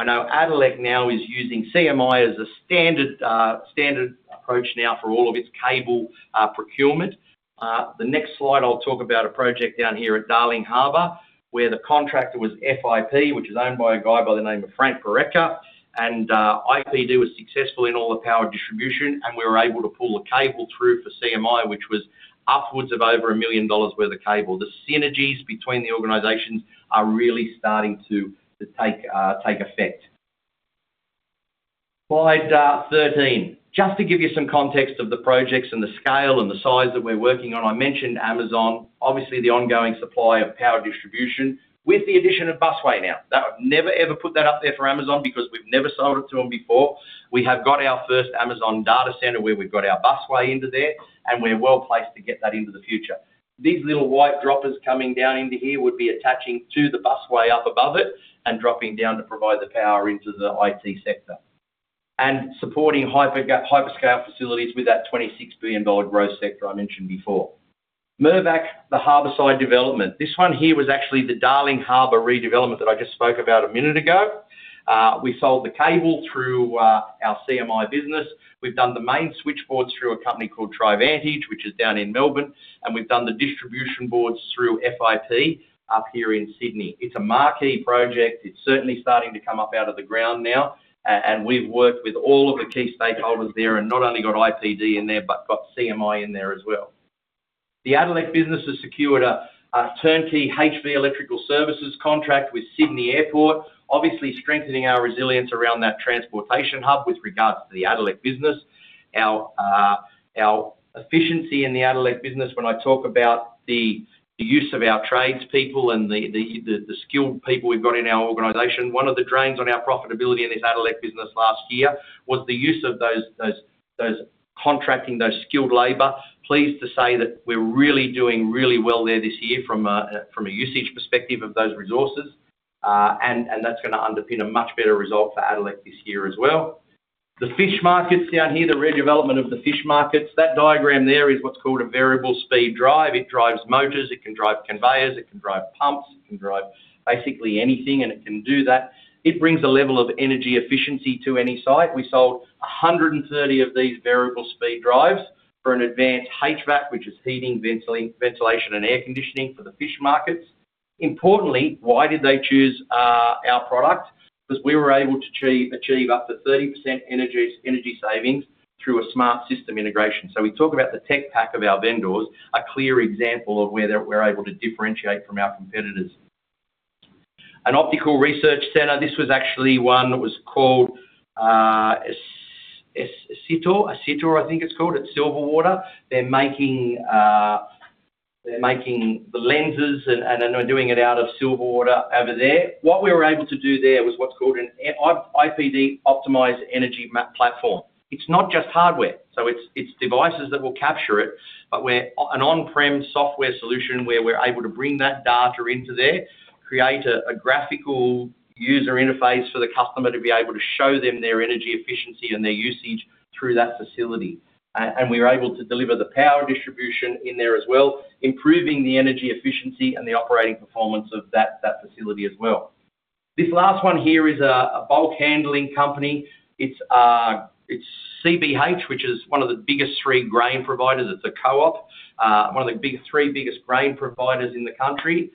I know Adelaide now is using CMI as a standard approach now for all of its cable procurement. The next slide, I'll talk about a project down here at Darling Harbour where the contractor was FIP, which is owned by a guy by the name of Frank Borecca, and IPD was successful in all the power distribution, and we were able to pull the cable through for CMI, which was upwards of over 1 million dollars worth of cable. The synergies between the organizations are really starting to take effect. Slide 13. Just to give you some context of the projects and the scale and the size that we're working on, I mentioned Amazon. Obviously, the ongoing supply of power distribution with the addition of busway now. I've never, ever put that up there for Amazon because we've never sold it to them before. We have got our first Amazon data center where we've got our busway into there, and we're well placed to get that into the future. These little white droppers coming down into here would be attaching to the busway up above it and dropping down to provide the power into the IT sector and supporting hyperscale facilities with that 26 billion dollar growth sector I mentioned before. Mervac, the harborside development. This one here was actually the Darling Harbour redevelopment that I just spoke about a minute ago. We sold the cable through our CMI business. We've done the main switchboards through a company called Tri-Vantage, which is down in Melbourne, and we've done the distribution boards through FIP up here in Sydney. It's a marquee project. It's certainly starting to come up out of the ground now, and we've worked with all of the key stakeholders there and not only got IPD in there but got CMI in there as well. The Addelec business has secured a turnkey HV electrical services contract with Sydney Airport, obviously strengthening our resilience around that transportation hub with regards to the Adelaide business. Our efficiency in the Adelaide business, when I talk about the use of our tradespeople and the skilled people we've got in our organization, one of the drains on our profitability in this Adelaide business last year was the use of those contracting, those skilled labor. Pleased to say that we're really doing really well there this year from a usage perspective of those resources, and that's going to underpin a much better result for Adelaide this year as well. The fish markets down here, the redevelopment of the fish markets, that diagram there is what's called a variable speed drive. It drives motors. It can drive conveyors. It can drive pumps. It can drive basically anything, and it can do that. It brings a level of energy efficiency to any site. We sold 130 of these variable speed drives for an advanced HVAC, which is heating, ventilation, and air conditioning for the fish markets. Importantly, why did they choose our product? Because we were able to achieve up to 30% energy savings through a smart system integration. We talk about the tech pack of our vendors, a clear example of where we're able to differentiate from our competitors. An optical research center. This was actually one that was called SEDA, I think it's called. It's Silverwater. They're making the lenses and they're doing it out of Silverwater over there. What we were able to do there was what's called an IPD optimised energy platform. It's not just hardware. It's devices that will capture it, but we're an on-prem software solution where we're able to bring that data into there, create a graphical user interface for the customer to be able to show them their energy efficiency and their usage through that facility. We were able to deliver the power distribution in there as well, improving the energy efficiency and the operating performance of that facility as well. This last one here is a bulk handling company. It's CBH, which is one of the biggest three grain providers. It's a co-op, one of the three biggest grain providers in the country.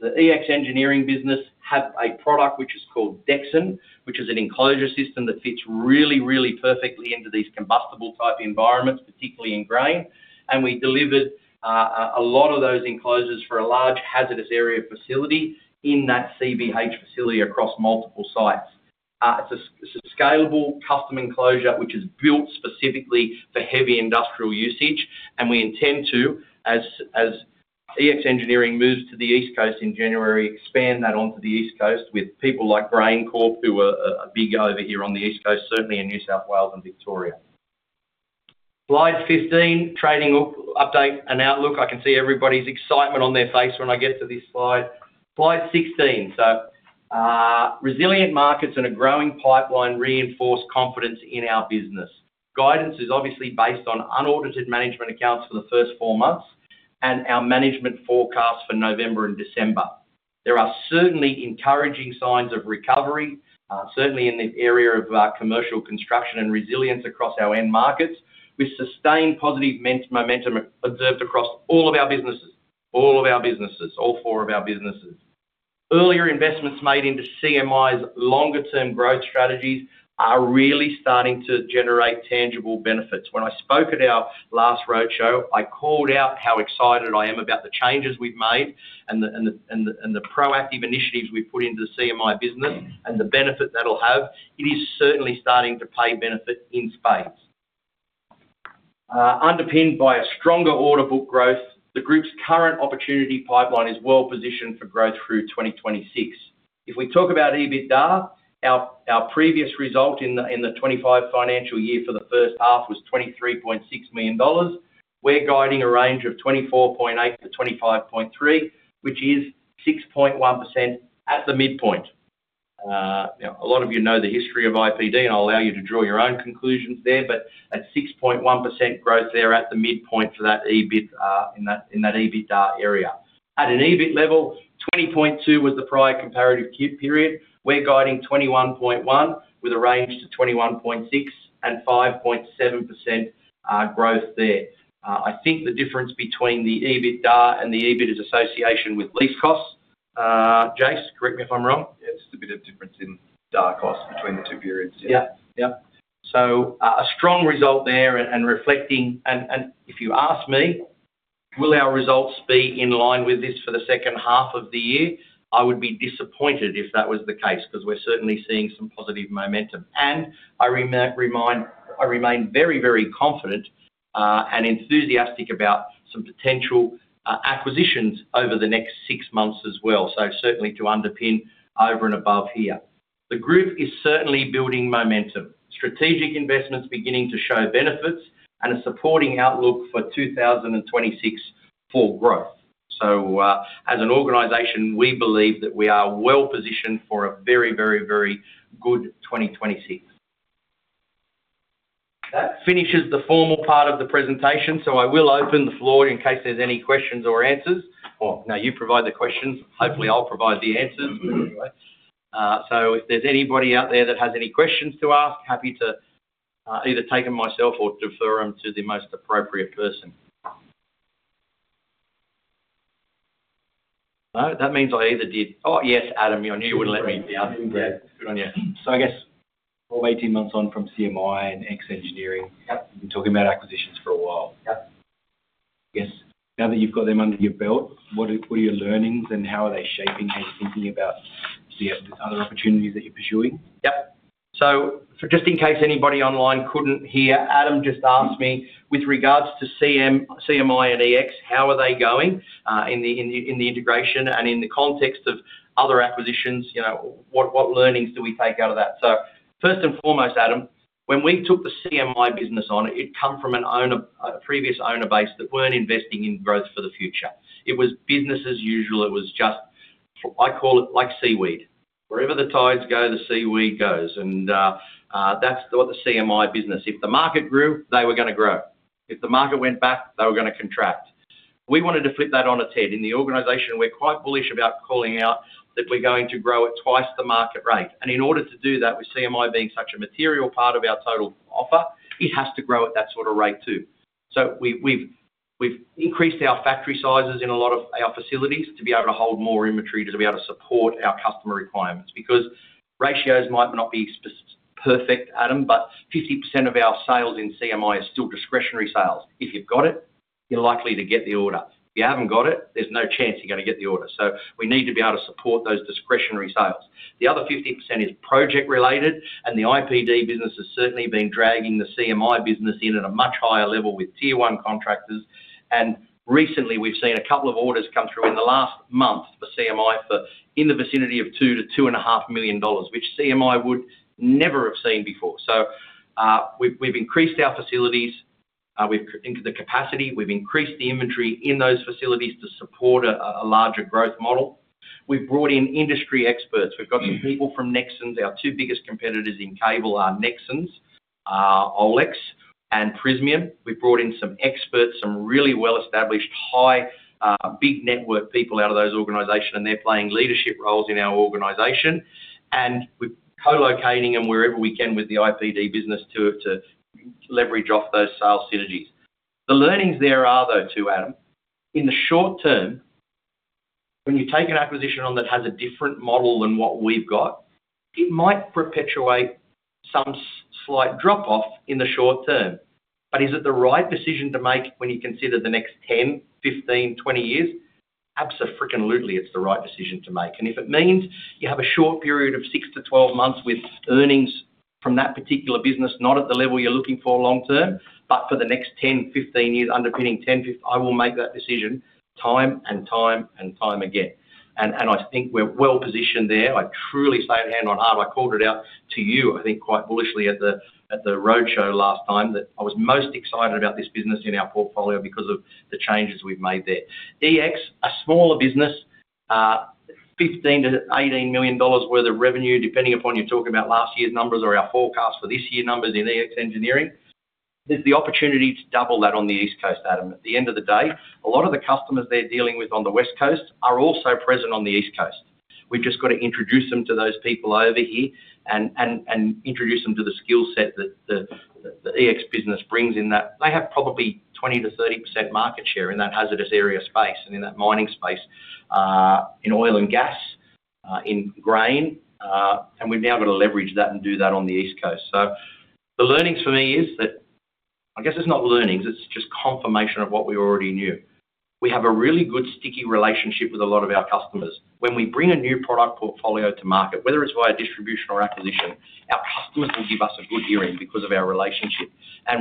The EX Engineering business have a product which is called DEXON, which is an enclosure system that fits really, really perfectly into these combustible type environments, particularly in grain. We delivered a lot of those enclosures for a large hazardous area facility in that CBH facility across multiple sites. It's a scalable custom enclosure, which is built specifically for heavy industrial usage. We intend to, as EX Engineering moves to the East Coast in January, expand that onto the East Coast with people like GrainCorp, who are big over here on the East Coast, certainly in New South Wales and Victoria. Slide 15, trading update and outlook. I can see everybody's excitement on their face when I get to this slide. Slide 16. Resilient markets and a growing pipeline reinforce confidence in our business. Guidance is obviously based on unaudited management accounts for the first four months and our management forecast for November and December. There are certainly encouraging signs of recovery, certainly in the area of commercial construction and resilience across our end markets. We sustain positive momentum observed across all of our businesses, all of our businesses, all four of our businesses. Earlier investments made into CMI's longer-term growth strategies are really starting to generate tangible benefits. When I spoke at our last roadshow, I called out how excited I am about the changes we've made and the proactive initiatives we've put into the CMI business and the benefit that'll have. It is certainly starting to pay benefit in spades. Underpinned by a stronger audit book growth, the group's current opportunity pipeline is well positioned for growth through 2026. If we talk about EBITDA, our previous result in the 2025 financial year for the first half was 23.6 million dollars. We're guiding a range of 24.8-25.3 million, which is 6.1% at the midpoint. A lot of you know the history of IPD, and I'll allow you to draw your own conclusions there, but at 6.1% growth there at the midpoint for that EBIT in that EBITDA area. At an EBIT level, 20.2 million was the prior comparative period. We're guiding 21.1 million with a range to 21.6 million and 5.7% growth there. I think the difference between the EBITDA and the EBIT is association with lease costs. Jase, correct me if I'm wrong. Yeah, just a bit of difference in DAR costs between the two periods. Yeah. Yeah. A strong result there and reflecting, and if you ask me, will our results be in line with this for the second half of the year? I would be disappointed if that was the case because we're certainly seeing some positive momentum. I remain very, very confident and enthusiastic about some potential acquisitions over the next six months as well. Certainly to underpin over and above here. The group is certainly building momentum. Strategic investments beginning to show benefits and a supporting outlook for 2026 for growth. As an organization, we believe that we are well positioned for a very, very, very good 2026. That finishes the formal part of the presentation, so I will open the floor in case there's any questions or answers. Oh, no, you provide the questions. Hopefully, I'll provide the answers. If there's anybody out there that has any questions to ask, happy to either take them myself or defer them to the most appropriate person. That means I either did. Oh, yes, Adam, you wouldn't let me be asking. Good on you. I guess 12, 18 months on from CMI and EX Engineering. You've been talking about acquisitions for a while. I guess now that you've got them under your belt, what are your learnings and how are they shaping how you're thinking about the other opportunities that you're pursuing? Yep. Just in case anybody online couldn't hear, Adam just asked me with regards to CMI and EX, how are they going in the integration and in the context of other acquisitions? What learnings do we take out of that? First and foremost, Adam, when we took the CMI business on, it had come from a previous owner base that were not investing in growth for the future. It was business as usual. It was just, I call it like seaweed. Wherever the tides go, the seaweed goes. And that is what the CMI business was. If the market grew, they were going to grow. If the market went back, they were going to contract. We wanted to flip that on its head. In the organization, we are quite bullish about calling out that we are going to grow at twice the market rate. In order to do that, with CMI being such a material part of our total offer, it has to grow at that sort of rate too. We've increased our factory sizes in a lot of our facilities to be able to hold more inventory to be able to support our customer requirements because ratios might not be perfect, Adam, but 50% of our sales in CMI are still discretionary sales. If you've got it, you're likely to get the order. If you haven't got it, there's no chance you're going to get the order. We need to be able to support those discretionary sales. The other 50% is project-related, and the IPD business has certainly been dragging the CMI business in at a much higher level with tier one contractors. Recently, we've seen a couple of orders come through in the last month for CMI in the vicinity of 2 million-2.5 million dollars, which CMI would never have seen before. We've increased our facilities into the capacity. We've increased the inventory in those facilities to support a larger growth model. We've brought in industry experts. We've got some people from Nexans. Our two biggest competitors in cable are Nexans, OLEX, and Prysmian. We've brought in some experts, some really well-established, high, big network people out of those organizations, and they're playing leadership roles in our organization. We're co-locating them wherever we can with the IPD business to leverage off those sales synergies. The learnings there are, though, too, Adam, in the short term, when you take an acquisition on that has a different model than what we've got, it might perpetuate some slight drop-off in the short term. Is it the right decision to make when you consider the next 10, 15, 20 years? Abso-freaking-lutely, it's the right decision to make. If it means you have a short period of 6-12 months with earnings from that particular business not at the level you're looking for long-term, but for the next 10, 15 years, underpinning, I will make that decision time and time and time again. I think we're well positioned there. I truly say hand on heart, I called it out to you, I think quite bullishly at the roadshow last time, that I was most excited about this business in our portfolio because of the changes we've made there. EX, a smaller business, 15-18 million dollars worth of revenue, depending upon if you're talking about last year's numbers or our forecast for this year's numbers in EX Engineering. There's the opportunity to double that on the East Coast, Adam. At the end of the day, a lot of the customers they're dealing with on the West Coast are also present on the East Coast. We've just got to introduce them to those people over here and introduce them to the skill set that the EX business brings in that they have probably 20%-30% market share in that hazardous area space and in that mining space, in oil and gas, in grain. We've now got to leverage that and do that on the East Coast. The learnings for me is that I guess it's not learnings, it's just confirmation of what we already knew. We have a really good sticky relationship with a lot of our customers. When we bring a new product portfolio to market, whether it's via distribution or acquisition, our customers will give us a good hearing because of our relationship.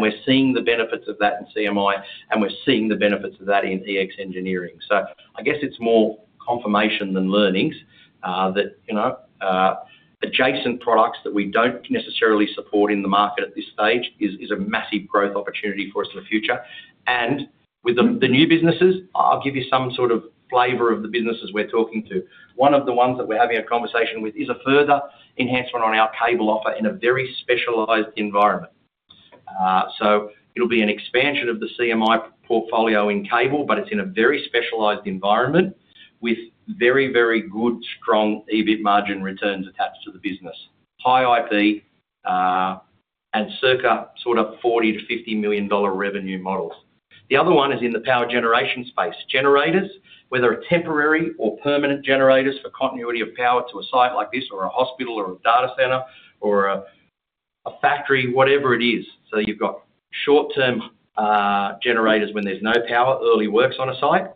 We're seeing the benefits of that in CMI, and we're seeing the benefits of that in EX Engineering. I guess it's more confirmation than learnings that adjacent products that we don't necessarily support in the market at this stage is a massive growth opportunity for us in the future. With the new businesses, I'll give you some sort of flavor of the businesses we're talking to. One of the ones that we're having a conversation with is a further enhancement on our cable offer in a very specialized environment. It'll be an expansion of the CMI portfolio in cable, but it's in a very specialized environment with very, very good, strong EBIT margin returns attached to the business. High IP and circa sort of 40 million-50 million dollar revenue models. The other one is in the power generation space, generators, whether temporary or permanent generators for continuity of power to a site like this or a hospital or a data center or a factory, whatever it is. You have short-term generators when there's no power, early works on a site,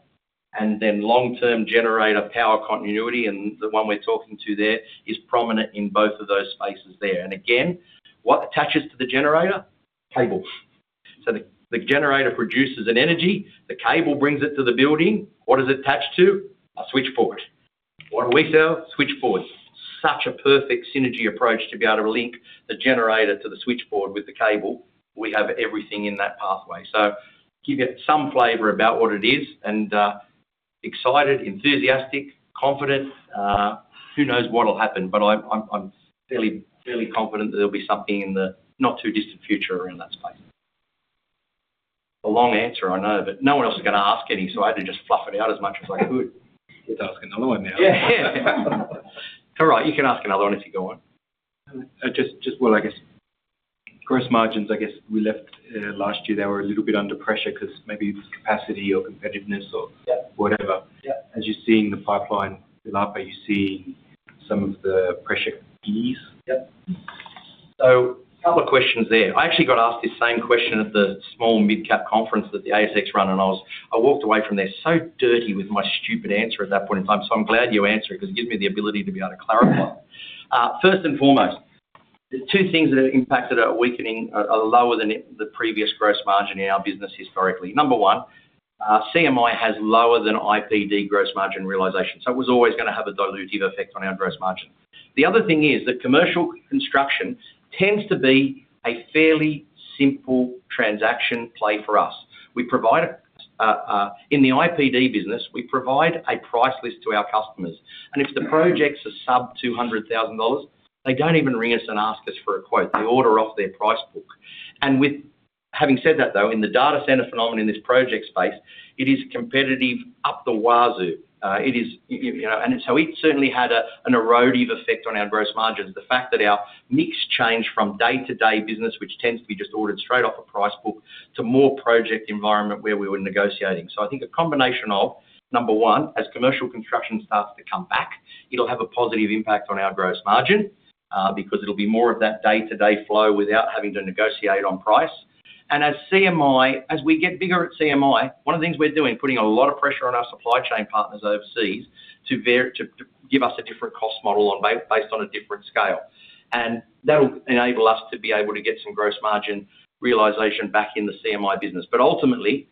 and then long-term generator power continuity. The one we're talking to there is prominent in both of those spaces. Again, what attaches to the generator? Cable. The generator produces an energy. The cable brings it to the building. What is it attached to? A switchboard. What do we sell? Switchboards. Such a perfect synergy approach to be able to link the generator to the switchboard with the cable. We have everything in that pathway. Give you some flavour about what it is and excited, enthusiastic, confident. Who knows what'll happen, but I'm fairly confident that there'll be something in the not-too-distant future around that space. A long answer, I know, but no one else is going to ask any, so I had to just fluff it out as much as I could. You have to ask another one now. Yeah. All right. You can ask another one if you go on. Just, well, I guess gross margins, I guess we left last year. They were a little bit under pressure because maybe capacity or competitiveness or whatever. As you're seeing the pipeline develop, are you seeing some of the pressure ease? Yep. A couple of questions there. I actually got asked the same question at the small mid-cap conference that the ASX ran, and I walked away from there so dirty with my stupid answer at that point in time. I'm glad you answered it because it gives me the ability to be able to clarify. First and foremost, there are two things that have impacted our weakening lower than the previous gross margin in our business historically. Number one, CMI has lower than IPD gross margin realization. It was always going to have a dilutive effect on our gross margin. The other thing is that commercial construction tends to be a fairly simple transaction play for us. In the IPD business, we provide a price list to our customers. If the projects are sub 200,000 dollars, they do not even ring us and ask us for a quote. They order off their price book. Having said that, though, in the data center phenomenon in this project space, it is competitive up the wazoo. It certainly had an erodive effect on our gross margins. The fact that our mix changed from day-to-day business, which tends to be just ordered straight off a price book, to more project environment where we were negotiating. I think a combination of, number one, as commercial construction starts to come back, it'll have a positive impact on our gross margin because it'll be more of that day-to-day flow without having to negotiate on price. As CMI, as we get bigger at CMI, one of the things we're doing is putting a lot of pressure on our supply chain partners overseas to give us a different cost model based on a different scale. That'll enable us to be able to get some gross margin realization back in the CMI business. Ultimately,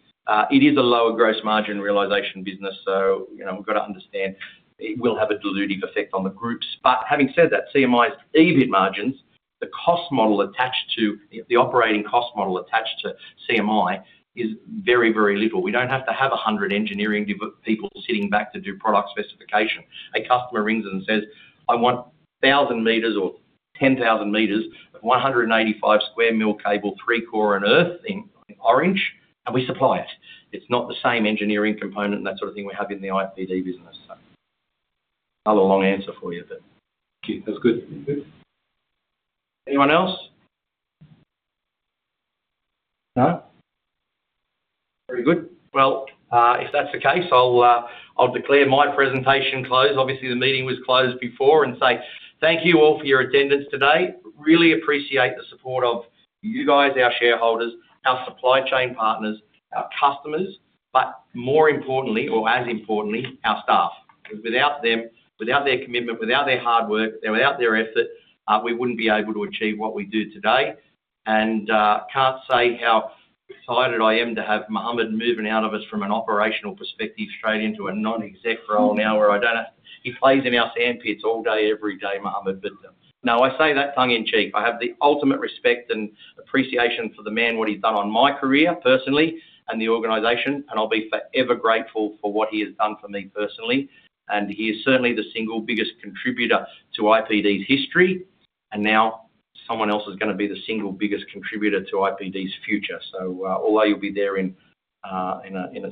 it is a lower gross margin realization business. We've got to understand it will have a dilutive effect on the groups. Having said that, CMI's EBIT margins, the cost model attached to the operating cost model attached to CMI is very, very little. We do not have to have 100 engineering people sitting back to do product specification. A customer rings in and says, "I want 1,000 meters or 10,000 meters of 185-square-mill cable, three-core and earth in orange," and we supply it. It is not the same engineering component and that sort of thing we have in the IPD business. Another long answer for you, but. Okay. That is good. Anyone else? No? Very good. If that is the case, I will declare my presentation closed. Obviously, the meeting was closed before and say thank you all for your attendance today. Really appreciate the support of you guys, our shareholders, our supply chain partners, our customers, but more importantly, or as importantly, our staff. Without their commitment, without their hard work, without their effort, we wouldn't be able to achieve what we do today. I can't say how excited I am to have Mohamed moving out of us from an operational perspective straight into a non-exec role now where I don't have to, he plays in our sandpit all day, every day, Mohamed, but no, I say that tongue in cheek. I have the ultimate respect and appreciation for the man, what he's done on my career personally and the organization, and I'll be forever grateful for what he has done for me personally. He is certainly the single biggest contributor to IPD's history. Now someone else is going to be the single biggest contributor to IPD's future. Although you'll be there in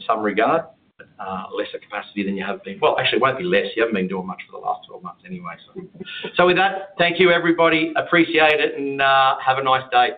some regard, lesser capacity than you have been. Actually, it won't be less. You haven't been doing much for the last 12 months anyway. With that, thank you, everybody. Appreciate it and have a nice day.